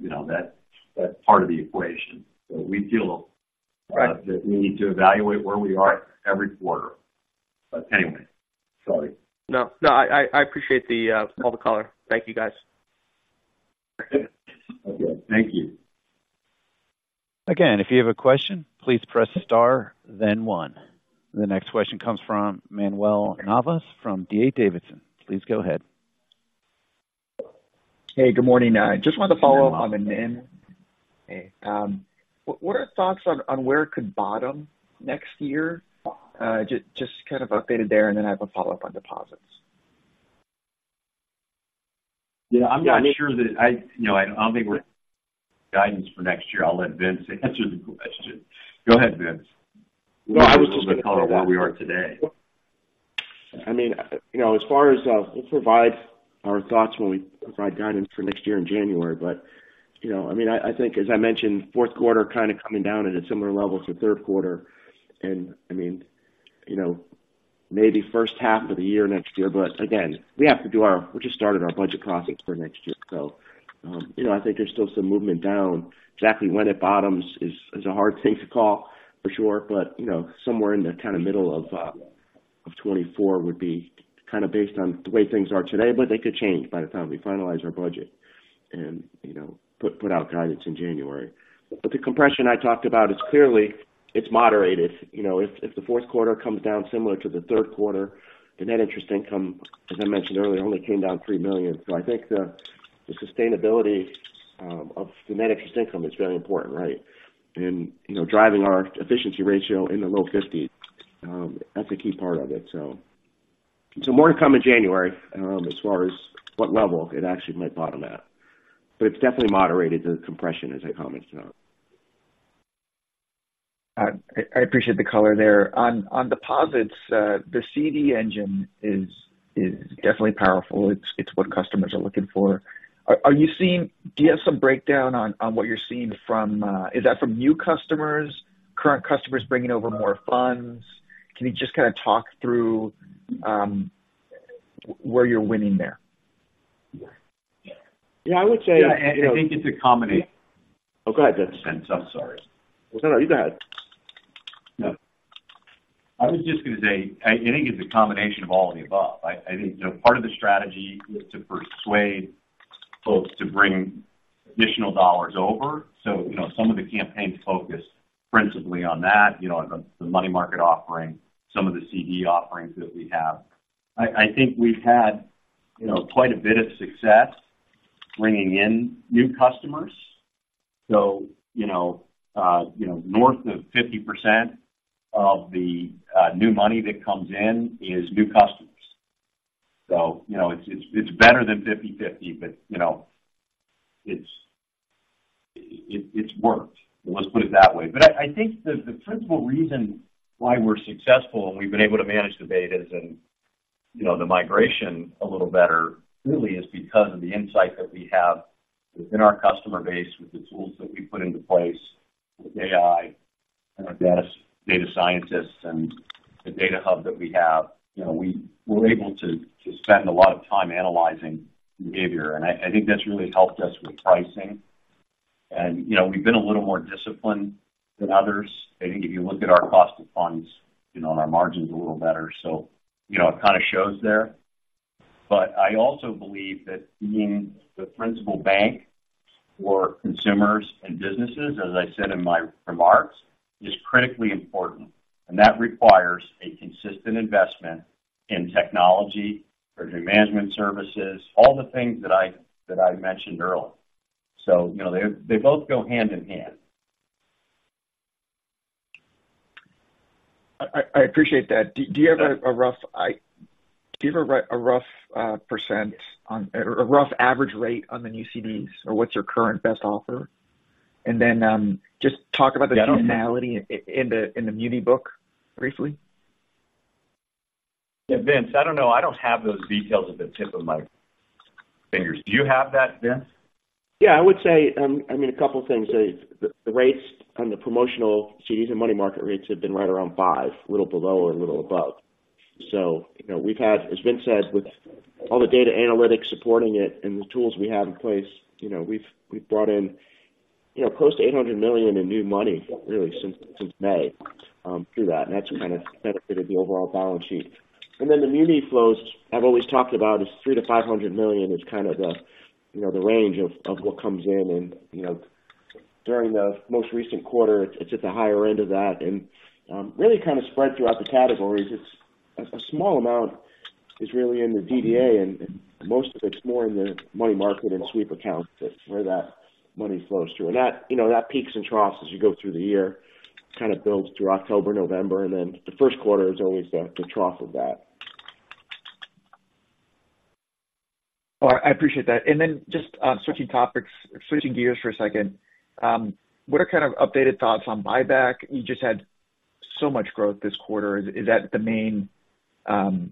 Speaker 3: you know, that, that's part of the equation. So we feel that we need to evaluate where we are every quarter. But anyway, sorry.
Speaker 7: No, no, I appreciate the color. Thank you, guys.
Speaker 3: Okay. Thank you.
Speaker 1: Again, if you have a question, please press star, then one. The next question comes from Manuel Navas from D.A. Davidson. Please go ahead.
Speaker 8: Hey, good morning. I just wanted to follow up on NIM. Hey, what are your thoughts on where it could bottom next year? Just kind of updated there, and then I have a follow-up on deposits.
Speaker 3: Yeah, I'm not sure. You know, I don't think we're guidance for next year. I'll let Vince, answer the question. Go ahead, Vince. No, I was just going to call it where we are today.
Speaker 5: I mean, you know, as far as we'll provide our thoughts when we provide guidance for next year in January. But, you know, I mean, I think, as I mentioned, fourth quarter kind of coming down at a similar level to third quarter. And I mean, you know, maybe first half of the year next year. But again, we just started our budget process for next year. So, you know, I think there's still some movement down. Exactly when it bottoms is a hard thing to call for sure, but, you know, somewhere in the kind of middle of 2024 would be kind of based on the way things are today, but they could change by the time we finalize our budget and, you know, put out guidance in January. But the compression I talked about is clearly, it's moderated. You know, if the fourth quarter comes down similar to the third quarter, the net interest income, as I mentioned earlier, only came down $3 million. So I think the sustainability of the net interest income is very important, right? And, you know, driving our efficiency ratio in the low 50%, that's a key part of it. So more to come in January, as far as what level it actually might bottom out. But it's definitely moderated the compression, as I commented on.
Speaker 8: I appreciate the color there. On deposits, the CD engine is definitely powerful. It's what customers are looking for. Are you seeing? Do you have some breakdown on what you're seeing from, is that from new customers, current customers bringing over more funds? Can you just kind of talk through where you're winning there?
Speaker 5: Yeah, I would say-
Speaker 3: Yeah, I think it's a combination. Oh, go ahead, Vince.I'm sorry.
Speaker 5: No, no, you go ahead.
Speaker 3: No. I was just going to say, I think it's a combination of all of the above. I think, you know, part of the strategy is to persuade folks to bring additional dollars over. So, you know, some of the campaigns focus principally on that, you know, the money market offering, some of the CD offerings that we have. I think we've had, you know, quite a bit of success bringing in new customers. So, you know, north of 50% of the new money that comes in is new customers. So, you know, it's better than 50/50, but, you know, it's worked. Let's put it that way. But I think the principal reason why we're successful and we've been able to manage the betas and, you know, the migration a little better really is because of the insight that we have within our customer base, with the tools that we put into place, with AI and our best data scientists and the data hub that we have. You know, we're able to spend a lot of time analyzing behavior, and I think that's really helped us with pricing. And, you know, we've been a little more disciplined than others. I think if you look at our cost of funds, you know, and our margins a little better, so, you know, it kind of shows there. But I also believe that being the principal bank for consumers and businesses, as I said in my remarks, is critically important, and that requires a consistent investment in technology or new management services, all the things that I, that I mentioned earlier. So, you know, they, they both go hand in hand.
Speaker 8: I appreciate that. Do you have a rough percent on or a rough average rate on the new CDs, or what's your current best offer? And then, just talk about the seasonality in the muni book briefly.
Speaker 3: Yeah, Vince, I don't know. I don't have those details at my fingertips. Do you have that, Vince?
Speaker 5: Yeah, I would say, I mean, a couple of things. The rates on the promotional CDs and money market rates have been right around 5, a little below or a little above. So, you know, we've had, as Vince says, with all the data analytics supporting it and the tools we have in place, you know, we've brought in, you know, close to $800 million in new money really, since May, through that, and that's kind of benefited the overall balance sheet. And then the muni flows I've always talked about is $300 million to $500 million, is kind of the, you know, the range of what comes in. And, you know, during the most recent quarter, it's at the higher end of that and, really kind of spread throughout the categories. It's a small amount is really in the DDA, and most of it's more in the money market and sweep accounts, that's where that money flows through. And that, you know, that peaks and troughs as you go through the year, kind of builds through October, November, and then the first quarter is always the trough of that.
Speaker 8: All right. I appreciate that. Then just switching topics, switching gears for a second. What are kind of updated thoughts on buyback? You just had so much growth this quarter. Is that the main kind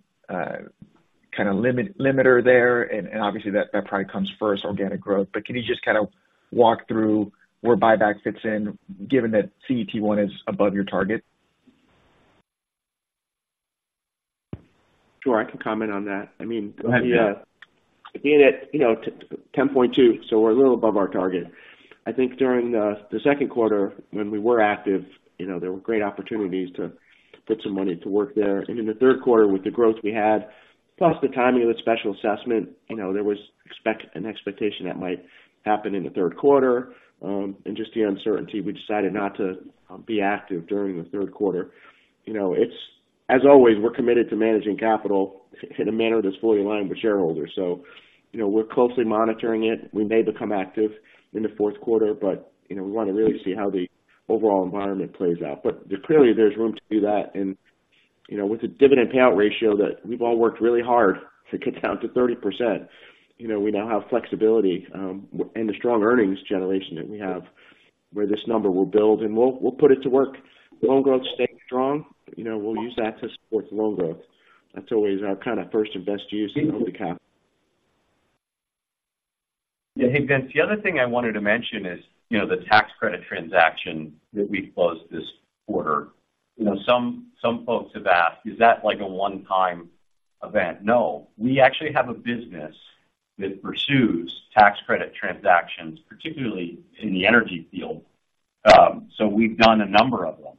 Speaker 8: of limit, limiter there? And obviously that probably comes first, organic growth. But can you just kind of walk through where buyback fits in, given that CET1 is above your target?
Speaker 5: Sure, I can comment on that. I mean we, we ended at, you know, 10.2, so we're a little above our target. I think during the second quarter, when we were active, you know, there were great opportunities to put some money to work there. And in the third quarter, with the growth we had, plus the timing of the special assessment, you know, there was an expectation that might happen in the third quarter. And just the uncertainty, we decided not to be active during the third quarter. You know, as always, we're committed to managing capital in a manner that's fully aligned with shareholders. So, you know, we're closely monitoring it. We may become active in the fourth quarter, but, you know, we want to really see how the overall environment plays out. But there clearly there's room to do that. And, you know, with a dividend payout ratio that we've all worked really hard to get down to 30%, you know, we now have flexibility, and the strong earnings generation that we have, where this number will build, and we'll put it to work. Loan growth staying strong, you know, we'll use that to support the loan growth. That's always our kind of first and best use of the cap.
Speaker 3: Yeah. Hey, Vince, the other thing I wanted to mention is, you know, the tax credit transaction that we closed this quarter. You know, some folks have asked, "Is that like a one-time event?" No, we actually have a business that pursues tax credit transactions, particularly in the energy field. So we've done a number of them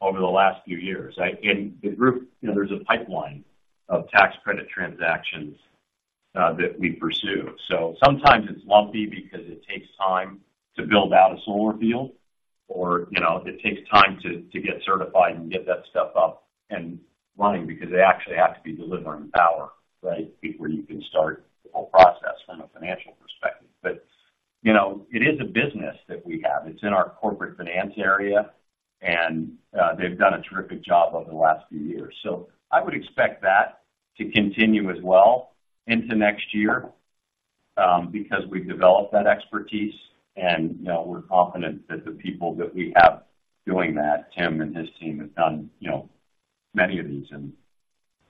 Speaker 3: over the last few years, right? And the group, you know, there's a pipeline of tax credit transactions that we pursue. So sometimes it's lumpy because it takes time to build out a solar field or, you know, it takes time to get certified and get that stuff up and running because they actually have to be delivering power, right? Before you can start the whole process from a financial perspective. But, you know, it is a business that we have. It's in our corporate finance area, and they've done a terrific job over the last few years. So I would expect that to continue as well into next year, because we've developed that expertise, and, you know, we're confident that the people that we have doing that, Tim, and his team, have done, you know, many of these and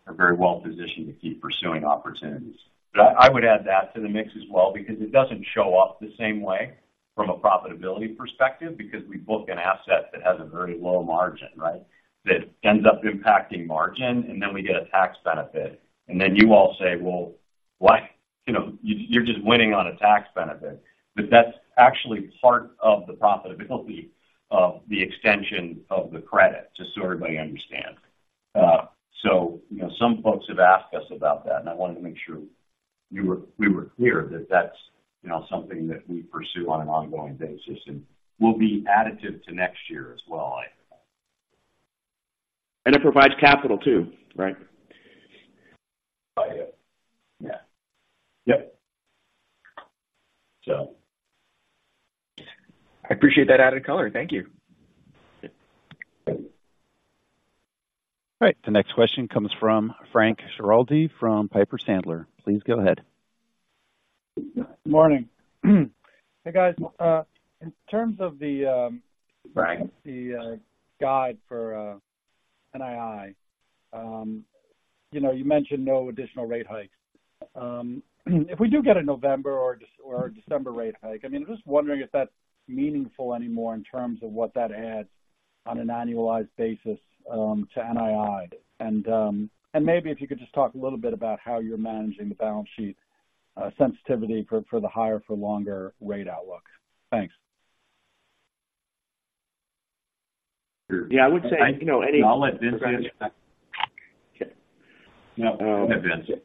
Speaker 3: are very well positioned to keep pursuing opportunities. But I would add that to the mix as well, because it doesn't show up the same way from a profitability perspective, because we book an asset that has a very low margin, right? That ends up impacting margin, and then we get a tax benefit. And then you all say, "Well, what? You know, you, you're just winning on a tax benefit." But that's actually part of the profitability of the extension of the credit, just so everybody understands. So, you know, some folks have asked us about that, and I wanted to make sure we were clear that that's, you know, something that we pursue on an ongoing basis and will be additive to next year as well, I think.
Speaker 5: It provides capital too, right?
Speaker 3: Oh, yeah. Yeah.
Speaker 5: Yep.
Speaker 3: So.
Speaker 8: I appreciate that added color. Thank you.
Speaker 3: Yeah.
Speaker 1: All right, the next question comes from Frank Schiraldi from Piper Sandler. Please go ahead.
Speaker 9: Morning. Hey, guys, in terms of the-
Speaker 3: Frank.
Speaker 9: The guide for NII, you know, you mentioned no additional rate hikes. If we do get a November or December rate hike, I mean, I'm just wondering if that's meaningful anymore in terms of what that adds on an annualized basis to NII. And maybe if you could just talk a little bit about how you're managing the balance sheet sensitivity for the higher-for-longer rate outlook. Thanks.
Speaker 5: Yeah, I would say, you know, any-
Speaker 3: I'll let Vince, answer that.
Speaker 5: Okay.
Speaker 3: Go ahead, Vince.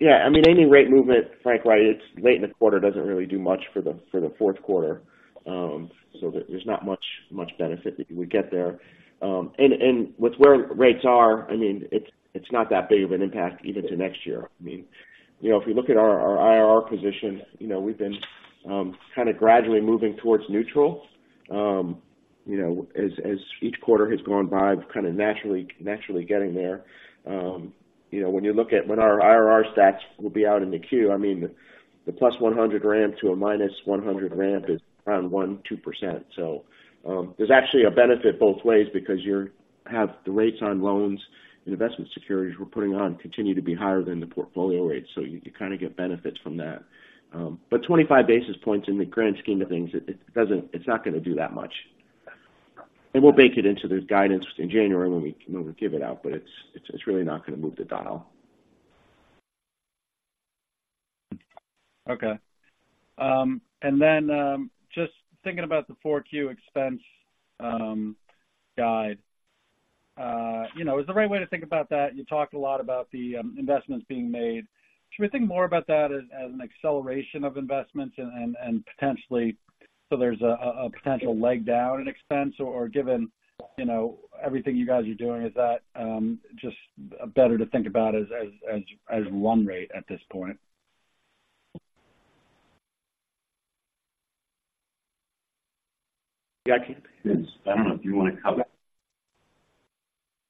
Speaker 5: Yeah, I mean, any rate movement, Frank, right. It's late in the quarter. Doesn't really do much for the fourth quarter. So there, there's not much benefit that we get there. And with where rates are, I mean, it's not that big of an impact even to next year. I mean, you know, if you look at our IRR position, you know, we've been kind of gradually moving towards neutral. You know, as each quarter has gone by, we've kind of naturally getting there. You know, when you look at when our IRR stats will be out in the queue, I mean, the +100 ramp to a -100 ramp is around 1.2%. So, there's actually a benefit both ways because you have the rates on loans and investment securities we're putting on continue to be higher than the portfolio rates, so you kind of get benefits from that. But 25 basis points in the grand scheme of things, it doesn't, it's not going to do that much. And we'll bake it into the guidance in January when we, when we give it out, but it's, it's, it's really not going to move the dial.
Speaker 9: Okay. And then, just thinking about the 4Q expense guide, you know, is the right way to think about that? You talked a lot about the investments being made. Should we think more about that as an acceleration of investments and potentially so there's a potential leg down in expense? Or given, you know, everything you guys are doing, is that just better to think about as one rate at this point?
Speaker 3: Yeah, I don't know if you want to comment.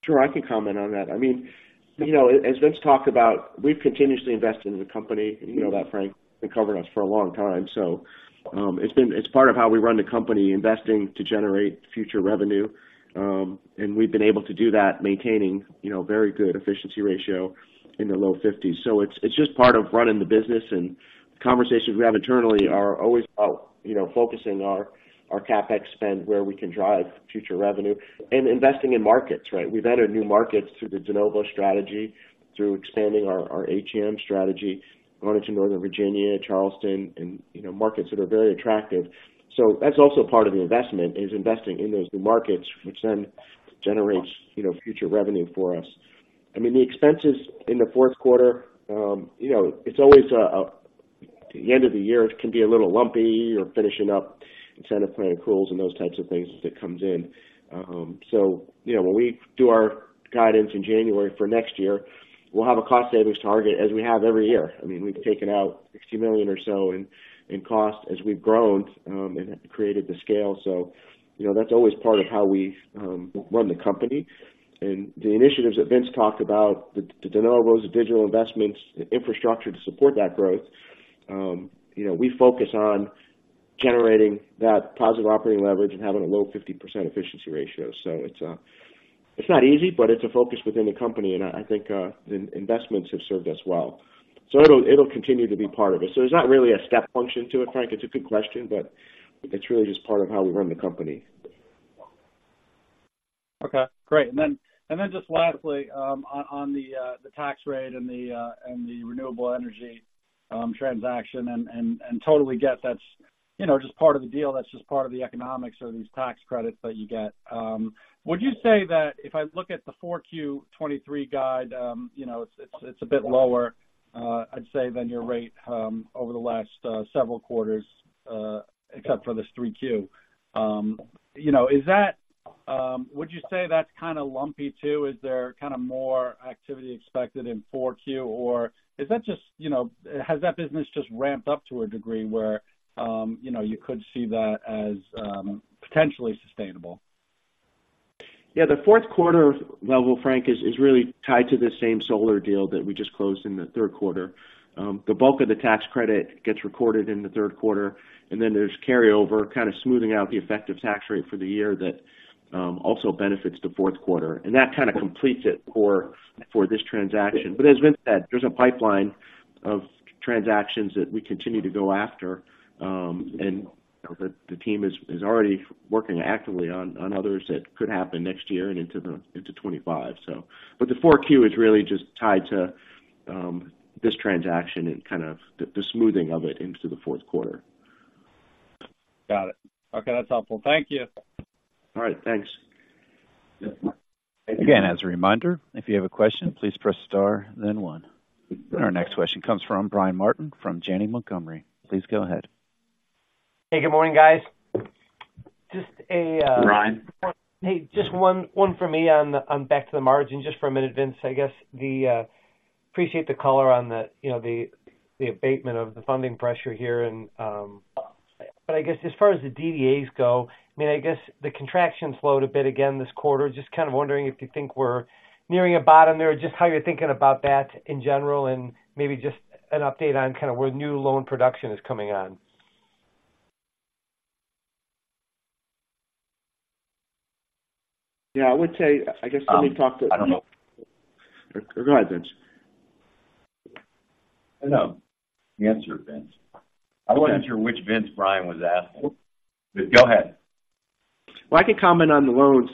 Speaker 5: Sure, I can comment on that. I mean, you know, as Vince talked about, we've continuously invested in the company, and you know that, Frank, you've covered us for a long time. So, it's part of how we run the company, investing to generate future revenue. And we've been able to do that, maintaining, you know, very good efficiency ratio in the low 50s. So it's just part of running the business, and conversations we have internally are always about, you know, focusing our CapEx spend, where we can drive future revenue and investing in markets, right? We've entered new markets through the de novo strategy, through expanding our ATM strategy, going into Northern Virginia, Charleston, and, you know, markets that are very attractive. So that's also part of the investment, is investing in those new markets, which then generates, you know, future revenue for us. I mean, the expenses in the fourth quarter, you know, it's always, the end of the year can be a little lumpy. You're finishing up incentive plan accruals and those types of things as it comes in. So, you know, when we do our guidance in January for next year, we'll have a cost savings target as we have every year. I mean, we've taken out $60 million or so in cost as we've grown, and have created the scale. So, you know, that's always part of how we run the company. The initiatives that Vince talked about, the de novos, digital investments, the infrastructure to support that growth, you know, we focus on generating that positive operating leverage and having a low 50% efficiency ratio. So it's, it's not easy, but it's a focus within the company, and I, I think, investments have served us well. So it'll, it'll continue to be part of it. So there's not really a step function to it, Frank. It's a good question, but it's really just part of how we run the company.
Speaker 9: Okay, great. And then just lastly, on the tax rate and the renewable energy transaction, and totally get that's, you know, just part of the deal, that's just part of the economics or these tax credits that you get. Would you say that if I look at the 4Q 2023 guide, you know, it's a bit lower, I'd say, than your rate over the last several quarters, except for this 3Q. You know, is that, would you say that's kind of lumpy, too? Is there kind of more activity expected in 4Q, or is that just, you know, has that business just ramped up to a degree where, you know, you could see that as potentially sustainable?
Speaker 5: Yeah, the fourth quarter level, Frank, is really tied to the same solar deal that we just closed in the third quarter. The bulk of the tax credit gets recorded in the third quarter, and then there's carryover, kind of smoothing out the effective tax rate for the year that also benefits the fourth quarter, and that kind of completes it for this transaction. But as Vince said, there's a pipeline of transactions that we continue to go after, and the team is already working actively on others that could happen next year and into 2025, so. But the 4Q is really just tied to this transaction and kind of the smoothing of it into the fourth quarter.
Speaker 9: Got it. Okay, that's helpful. Thank you.
Speaker 5: All right, thanks.
Speaker 1: Again, as a reminder, if you have a question, please press Star, then one. Our next question comes from Brian Martin, from Janney Montgomery. Please go ahead.
Speaker 10: Hey, good morning, guys.
Speaker 3: Brian.
Speaker 10: Hey, just one for me on back to the margin, just for a minute, Vince. I guess, appreciate the color on the, you know, the abatement of the funding pressure here and, but I guess as far as the DDAs go, I mean, I guess the contraction slowed a bit again this quarter. Just kind of wondering if you think we're nearing a bottom there, just how you're thinking about that in general, and maybe just an update on kind of where new loan production is coming on.
Speaker 5: Yeah, I would say, I guess, let me talk to-
Speaker 3: I don't know. Go ahead, Vince. No, you answer, Vince. I wasn't sure which Vince, Brian was asking. Go ahead.
Speaker 5: Well, I can comment on the loans,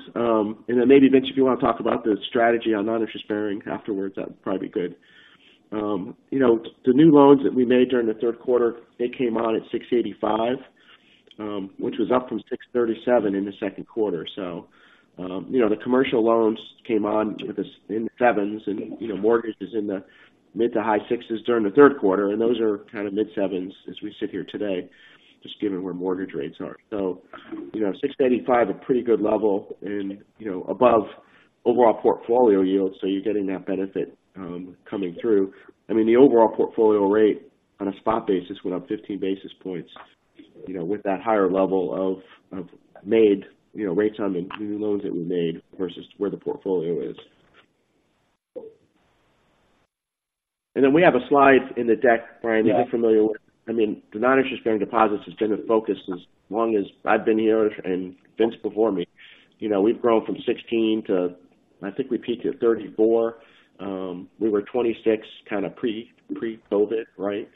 Speaker 5: and then maybe, Vince, if you want to talk about the strategy on non-interest bearing afterwards, that'd probably be good. You know, the new loans that we made during the third quarter, they came on at 6.85%, which was up from 6.37% in the second quarter. So, you know, the commercial loans came on with us in the sevens and, you know, mortgages in the mid-high sixes during the third quarter, and those are kind of mid-sevens as we sit here today, just given where mortgage rates are. So, you know, 6.85%, a pretty good level and, you know, above overall portfolio yield, so you're getting that benefit, coming through. I mean, the overall portfolio rate on a spot basis went up 15 basis points, you know, with that higher level of made, you know, rates on the new loans that we made versus where the portfolio is. And then we have a slide in the deck, Brian.
Speaker 10: Yeah.
Speaker 5: If you're familiar with, I mean, the non-interest bearing deposits has been a focus as long as I've been here and Vince before me. You know, we've grown from 16 to, I think we peaked at 34. We were 26 kind of pre-COVID, right?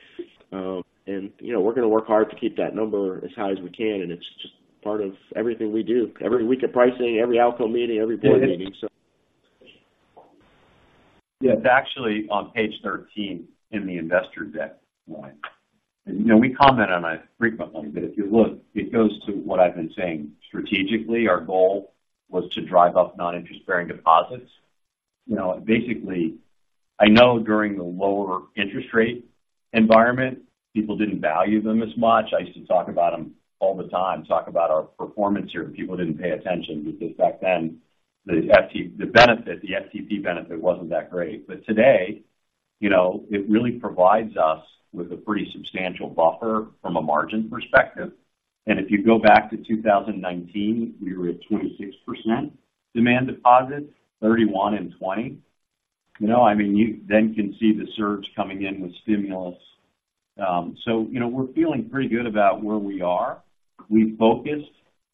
Speaker 5: And, you know, we're going to work hard to keep that number as high as we can, and it's just part of everything we do. Every week of pricing, every outcome meeting, every board meeting, so.
Speaker 3: Yeah, it's actually on page 13 in the investor deck, Brian. You know, we comment on it frequently, but if you look, it goes to what I've been saying. Strategically, our goal was to drive up non-interest bearing deposits. You know, basically, I know during the lower interest rate environment, people didn't value them as much. I used to talk about them all the time, talk about our performance here, but people didn't pay attention because back then, the FTP benefit wasn't that great. But today, you know, it really provides us with a pretty substantial buffer from a margin perspective. And if you go back to 2019, we were at 26% demand deposits, 31 and 20. You know, I mean, you then can see the surge coming in with stimulus. So, you know, we're feeling pretty good about where we are. We focused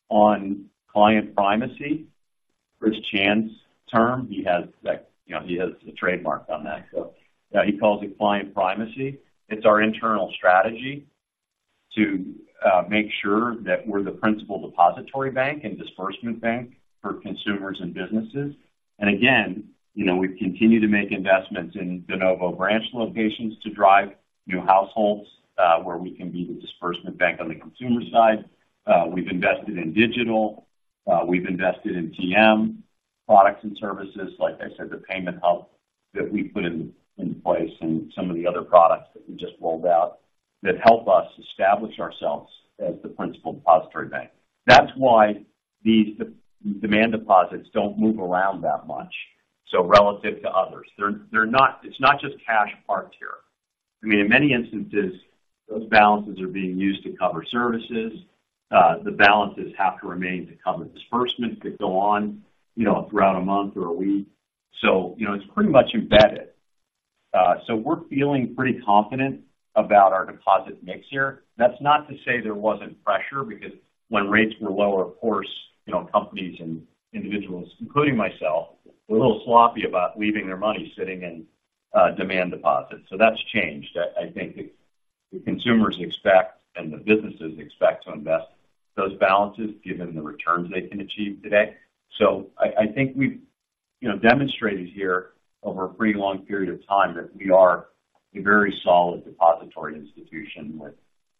Speaker 3: on client primacy, Christopher Chan's term. He has that, you know, he has a trademark on that, so he calls it client primacy. It's our internal strategy to make sure that we're the principal depository bank and disbursement bank for consumers and businesses. And again, you know, we've continued to make investments in de novo branch locations to drive new households, where we can be the disbursement bank on the consumer side. We've invested in digital, we've invested in them products and services, like I said, the payment hub that we put in place and some of the other products that we just rolled out, that help us establish ourselves as the principal depository bank. That's why these demand deposits don't move around that much, so relative to others. They're not. It's not just cash parked here. I mean, in many instances, those balances are being used to cover services. The balances have to remain to cover disbursements that go on, you know, throughout a month or a week. So, you know, it's pretty much embedded. So we're feeling pretty confident about our deposit mix here. That's not to say there wasn't pressure, because when rates were low, of course, you know, companies and individuals, including myself, were a little sloppy about leaving their money sitting in demand deposits. So that's changed. I think the consumers expect and the businesses expect to invest those balances given the returns they can achieve today. So I think we've, you know, demonstrated here over a pretty long period of time that we are a very solid depository institution with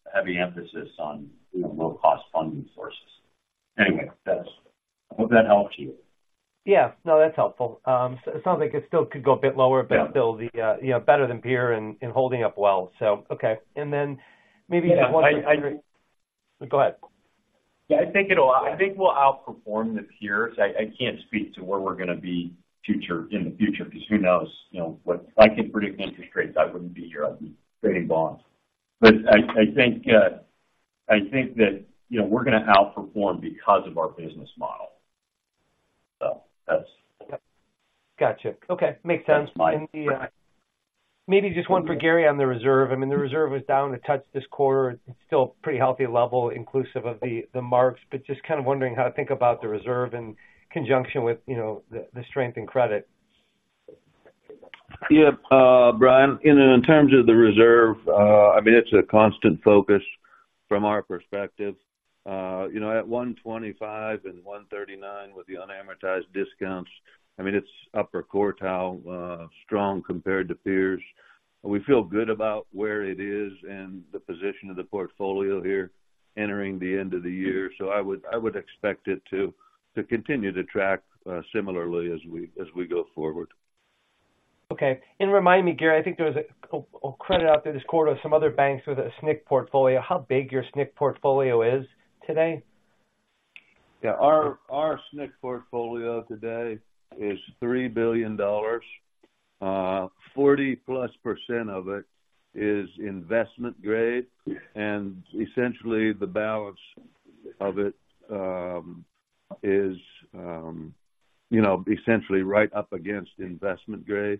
Speaker 3: a heavy emphasis on, you know, low-cost funding sources. Anyway, that's. I hope that helps you.
Speaker 10: Yeah. No, that's helpful. So, it sounds like it still could go a bit lower but still the, you know, better than peer and, and holding up well. So, okay. And then maybe just one.
Speaker 3: Yeah, I.
Speaker 10: Go ahead.
Speaker 3: Yeah, I think it'll. I think we'll outperform the peers. I, I can't speak to where we're going to be future, in the future, because who knows? You know what. If I could predict interest rates, I wouldn't be here. I'd be trading bonds. But I, I think, I think that, you know, we're going to outperform because of our business model. So that's [that].
Speaker 10: Got you. Okay, makes sense.
Speaker 3: Fine.
Speaker 10: Maybe just one for Gary, on the reserve. I mean, the reserve was down a touch this quarter. It's still a pretty healthy level, inclusive of the, the marks, but just kind of wondering how to think about the reserve in conjunction with, you know, the, the strength in credit.
Speaker 4: Yeah, Brian, you know, in terms of the reserve, I mean, it's a constant focus from our perspective. You know, at 125 and 139 with the unamortized discounts, I mean, it's upper quartile, strong compared to peers. We feel good about where it is and the position of the portfolio here entering the end of the year. So I would, I would expect it to, to continue to track similarly as we, as we go forward.
Speaker 10: Okay. And remind me, Gary, I think there was a credit out there this quarter of some other banks with a SNC portfolio. How big your SNC portfolio is today?
Speaker 4: Yeah. Our SNC portfolio today is $3 billion. 40%+ percent of it is investment grade, and essentially, the balance of it is, you know, essentially right up against investment grade.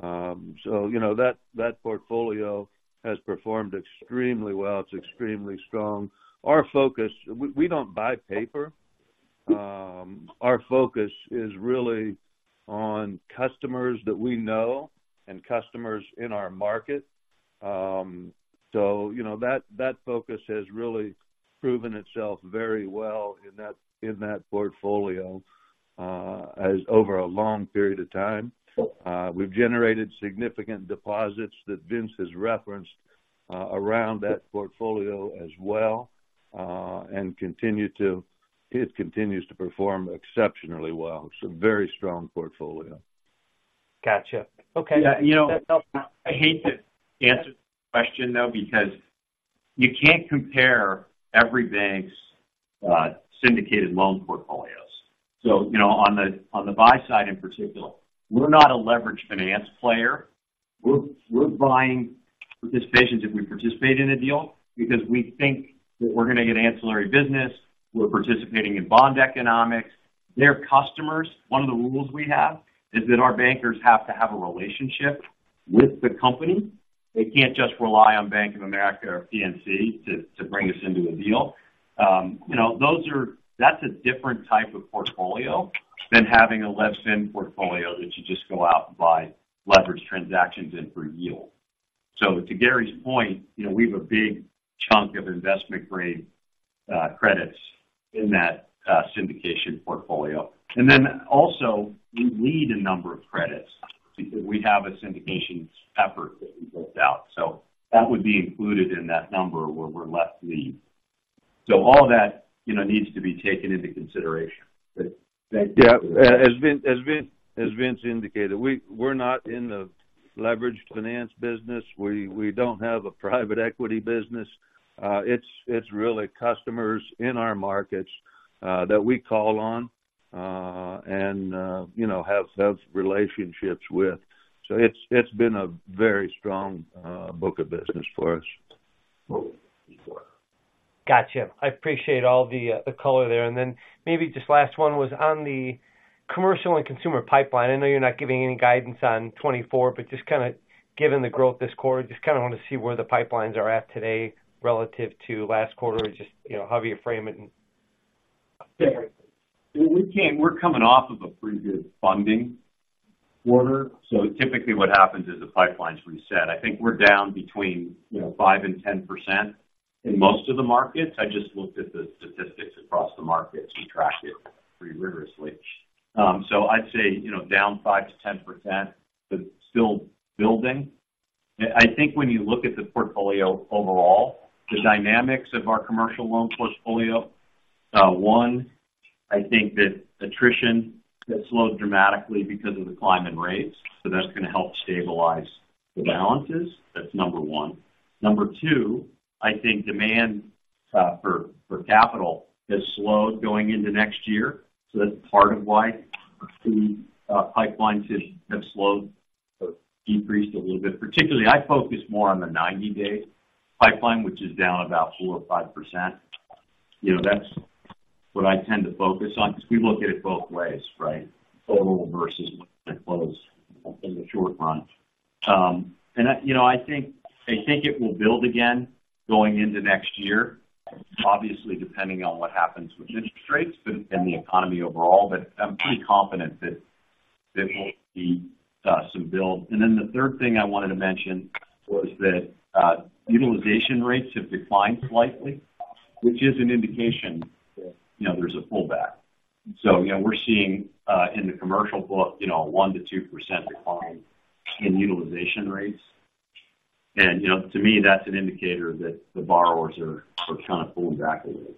Speaker 4: So you know, that portfolio has performed extremely well. It's extremely strong. Our focus, we don't buy paper. Our focus is really on customers that we know and customers in our market. So you know, that focus has really proven itself very well in that portfolio, as over a long period of time. We've generated significant deposits that Vince has referenced around that portfolio as well, and continue to- it continues to perform exceptionally well. It's a very strong portfolio.
Speaker 10: Gotcha. Okay.
Speaker 3: You know, I hate to answer the question, though, because you can't compare every bank's syndicated loan portfolios. So, you know, on the buy side, in particular, we're not a leveraged finance player. We're buying participations if we participate in a deal because we think that we're going to get ancillary business; we're participating beyond economics. They're customers. One of the rules we have is that our bankers have to have a relationship with the company. They can't just rely on Bank of America or PNC to bring us into a deal. You know, those are, that's a different type of portfolio than having a less portfolio that you just go out and buy leveraged transactions in for yield. So to Gary's point, you know, we have a big chunk of investment-grade credits in that syndication portfolio. And then also, we lead a number of credits because we have a syndication effort that we built out. So that would be included in that number where we're left to lead. So all that, you know, needs to be taken into consideration.
Speaker 4: Yeah. As Vince indicated, we're not in the leveraged finance business. We don't have a private equity business. It's really customers in our markets that we call on, and you know, have relationships with. So it's been a very strong book of business for us.
Speaker 10: Got you. I appreciate all the color there. And then maybe just last one was on the commercial and consumer pipeline. I know you're not giving any guidance on 2024, but just kind of given the growth this quarter, just kind of want to see where the pipelines are at today relative to last quarter or just, you know, however you frame it.
Speaker 3: We're coming off of a pretty good funding quarter. So typically what happens is the pipelines reset. I think we're down between, you know, 5% and 10% in most of the markets. I just looked at the statistics across the markets. We track it pretty rigorously. So I'd say, you know, down 5%-10%, but it's still building. I think when you look at the portfolio overall, the dynamics of our commercial loan portfolio, one, I think that attrition has slowed dramatically because of the climb in rates, so that's going to help stabilize the balances. That's number one. Number two, I think demand for capital has slowed going into next year, so that's part of why the pipelines have slowed or decreased a little bit. Particularly, I focus more on the 90-day pipeline, which is down about 4% or 5%. You know, that's what I tend to focus on because we look at it both ways, right? Total versus close in the short run. And I you know, I think it will build again going into next year, obviously, depending on what happens with interest rates, but, and the economy overall. But I'm pretty confident that there will be some build. And then the third thing I wanted to mention was that utilization rates have declined slightly, which is an indication that, you know, there's a pullback. So, you know, we're seeing in the commercial book, you know, a 1%-2% decline in utilization rates. And, you know, to me, that's an indicator that the borrowers are kind of fully activated.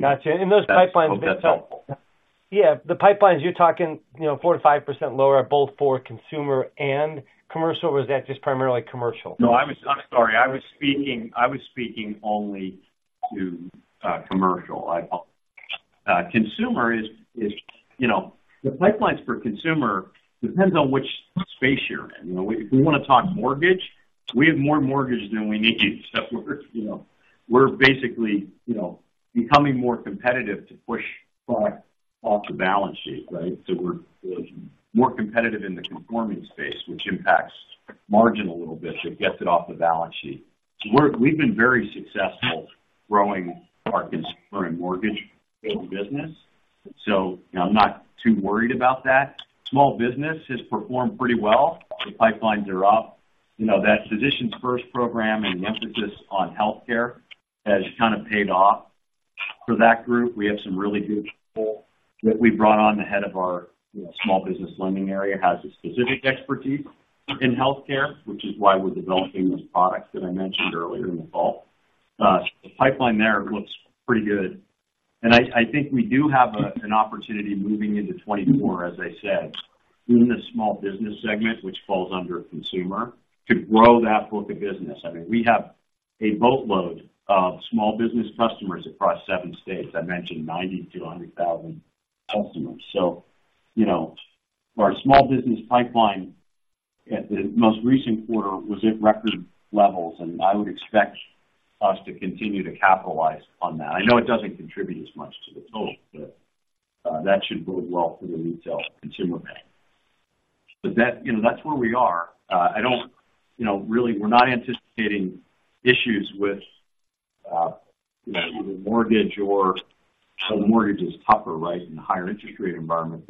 Speaker 10: Got you. And those pipelines.
Speaker 3: Hope that's helpful.
Speaker 10: Yeah, the pipelines, you're talking, you know, 4%-5% lower, both for consumer and commercial, or is that just primarily commercial?
Speaker 3: No, I was, I'm sorry. I was speaking, I was speaking only to commercial. Consumer is, is, you know, the pipelines for consumer depends on which space you're in. You know, if we want to talk mortgage, we have more mortgage than we need. So we're, you know, we're basically, you know, becoming more competitive to push product off the balance sheet, right? So we're, we're more competitive in the conforming space, which impacts margin a little bit, but it gets it off the balance sheet. So we're, we've been very successful growing our consumer and mortgage business, so I'm not too worried about that. Small business has performed pretty well. The pipelines are up. You know, that Physicians First program and the emphasis on healthcare has kind of paid off for that group. We have some really good people that we brought on. The head of our, you know, small business lending area, has a specific expertise in healthcare, which is why we're developing this product that I mentioned earlier in the fall. The pipeline there looks pretty good, and I think we do have an opportunity moving into 2024, as I said, in the small business segment, which falls under consumer, to grow that book of business. I mean, we have a boatload of small business customers across seven states. I mentioned 90,000-100,000 customers. So, you know, our small business pipeline at the most recent quarter was at record levels, and I would expect us to continue to capitalize on that. I know it doesn't contribute as much to the total, but that should bode well for the retail consumer bank. That, you know, that's where we are. I don't, you know, really, we're not anticipating issues with, you know, either mortgage or home mortgage is tougher, right, in a higher interest rate environment.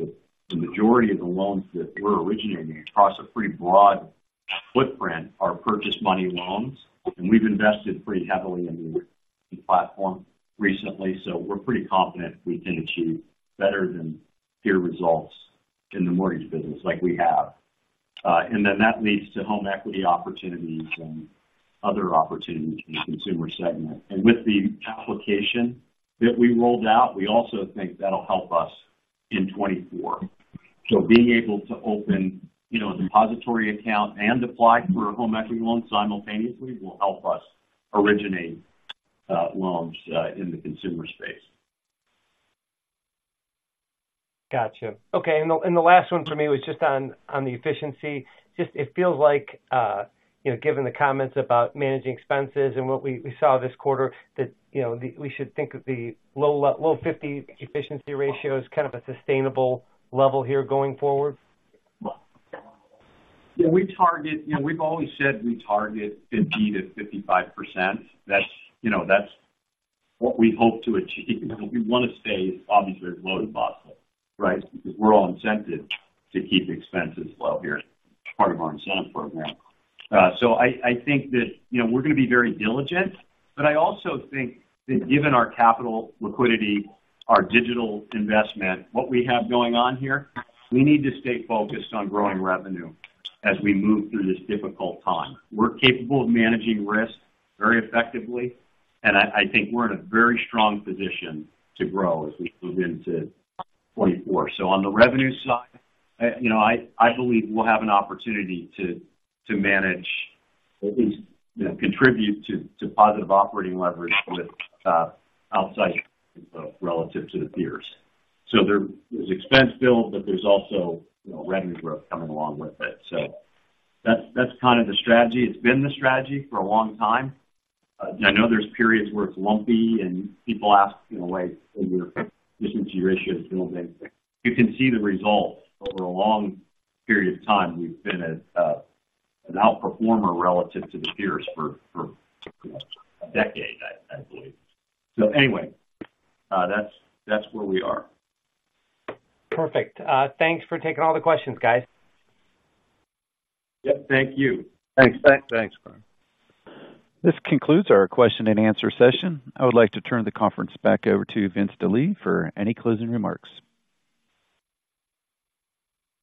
Speaker 3: But the majority of the loans that we're originating across a pretty broad footprint are purchase money loans, and we've invested pretty heavily in the platform recently, so we're pretty confident we can achieve better than peer results in the mortgage business, like we have. And then that leads to home equity opportunities and other opportunities in the consumer segment. And with the application that we rolled out, we also think that'll help us in 2024. So being able to open, you know, a depository account and apply for a home equity loan simultaneously will help us originate loans in the consumer space.
Speaker 10: Got you. Okay, and the last one for me was just on the efficiency. Just, it feels like, you know, given the comments about managing expenses and what we saw this quarter, that, you know, we should think of the low 50 efficiency ratio as kind of a sustainable level here going forward?
Speaker 3: Well, yeah. We target, we've always said we target 50%-55%. That's, you know, that's what we hope to achieve. We want to stay, obviously, as low as possible, right? Because we're all incented to keep expenses low here, part of our incentive program. So I think that, you know, we're going to be very diligent, but I also think that given our capital, liquidity, our digital investment, what we have going on here, we need to stay focused on growing revenue as we move through this difficult time. We're capable of managing risk very effectively, and I think we're in a very strong position to grow as we move into 2024. So on the revenue side, you know, I, I believe we'll have an opportunity to, to manage, at least, contribute to, to positive operating leverage with, outside relative to the peers. So there is expense build, but there's also, you know, revenue growth coming along with it. So that's, that's kind of the strategy. It's been the strategy for a long time. I know there's periods where it's lumpy and people ask, you know, "Wait, so your Efficiency Ratio is building." You can see the results. Over a long period of time, we've been at, an outperformer relative to the peers for, for a decade, I, I believe. So anyway, that's, that's where we are.
Speaker 10: Perfect. Thanks for taking all the questions, guys.
Speaker 3: Yep, thank you. Thanks.
Speaker 5: Thanks, Brian.
Speaker 1: This concludes our question and answer session. I would like to turn the conference back over to Vince Delie for any closing remarks.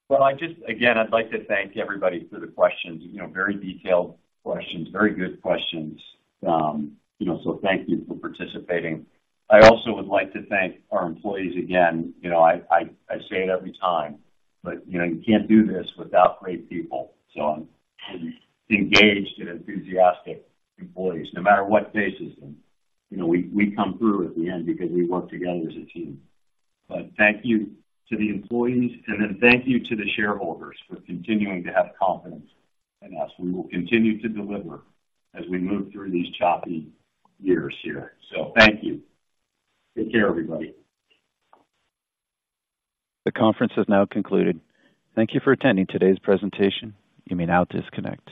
Speaker 3: Well, I just again, I'd like to thank everybody for the questions. You know, very detailed questions, very good questions. You know, so thank you for participating. I also would like to thank our employees again. You know, I say it every time, but, you know, you can't do this without great people. So engaged and enthusiastic employees, no matter what faces them, you know, we come through at the end because we work together as a team. But thank you to the employees, and then thank you to the shareholders for continuing to have confidence in us. We will continue to deliver as we move through these choppy years here. So thank you. Take care, everybody.
Speaker 1: The conference has now concluded. Thank you for attending today's presentation. You may now disconnect.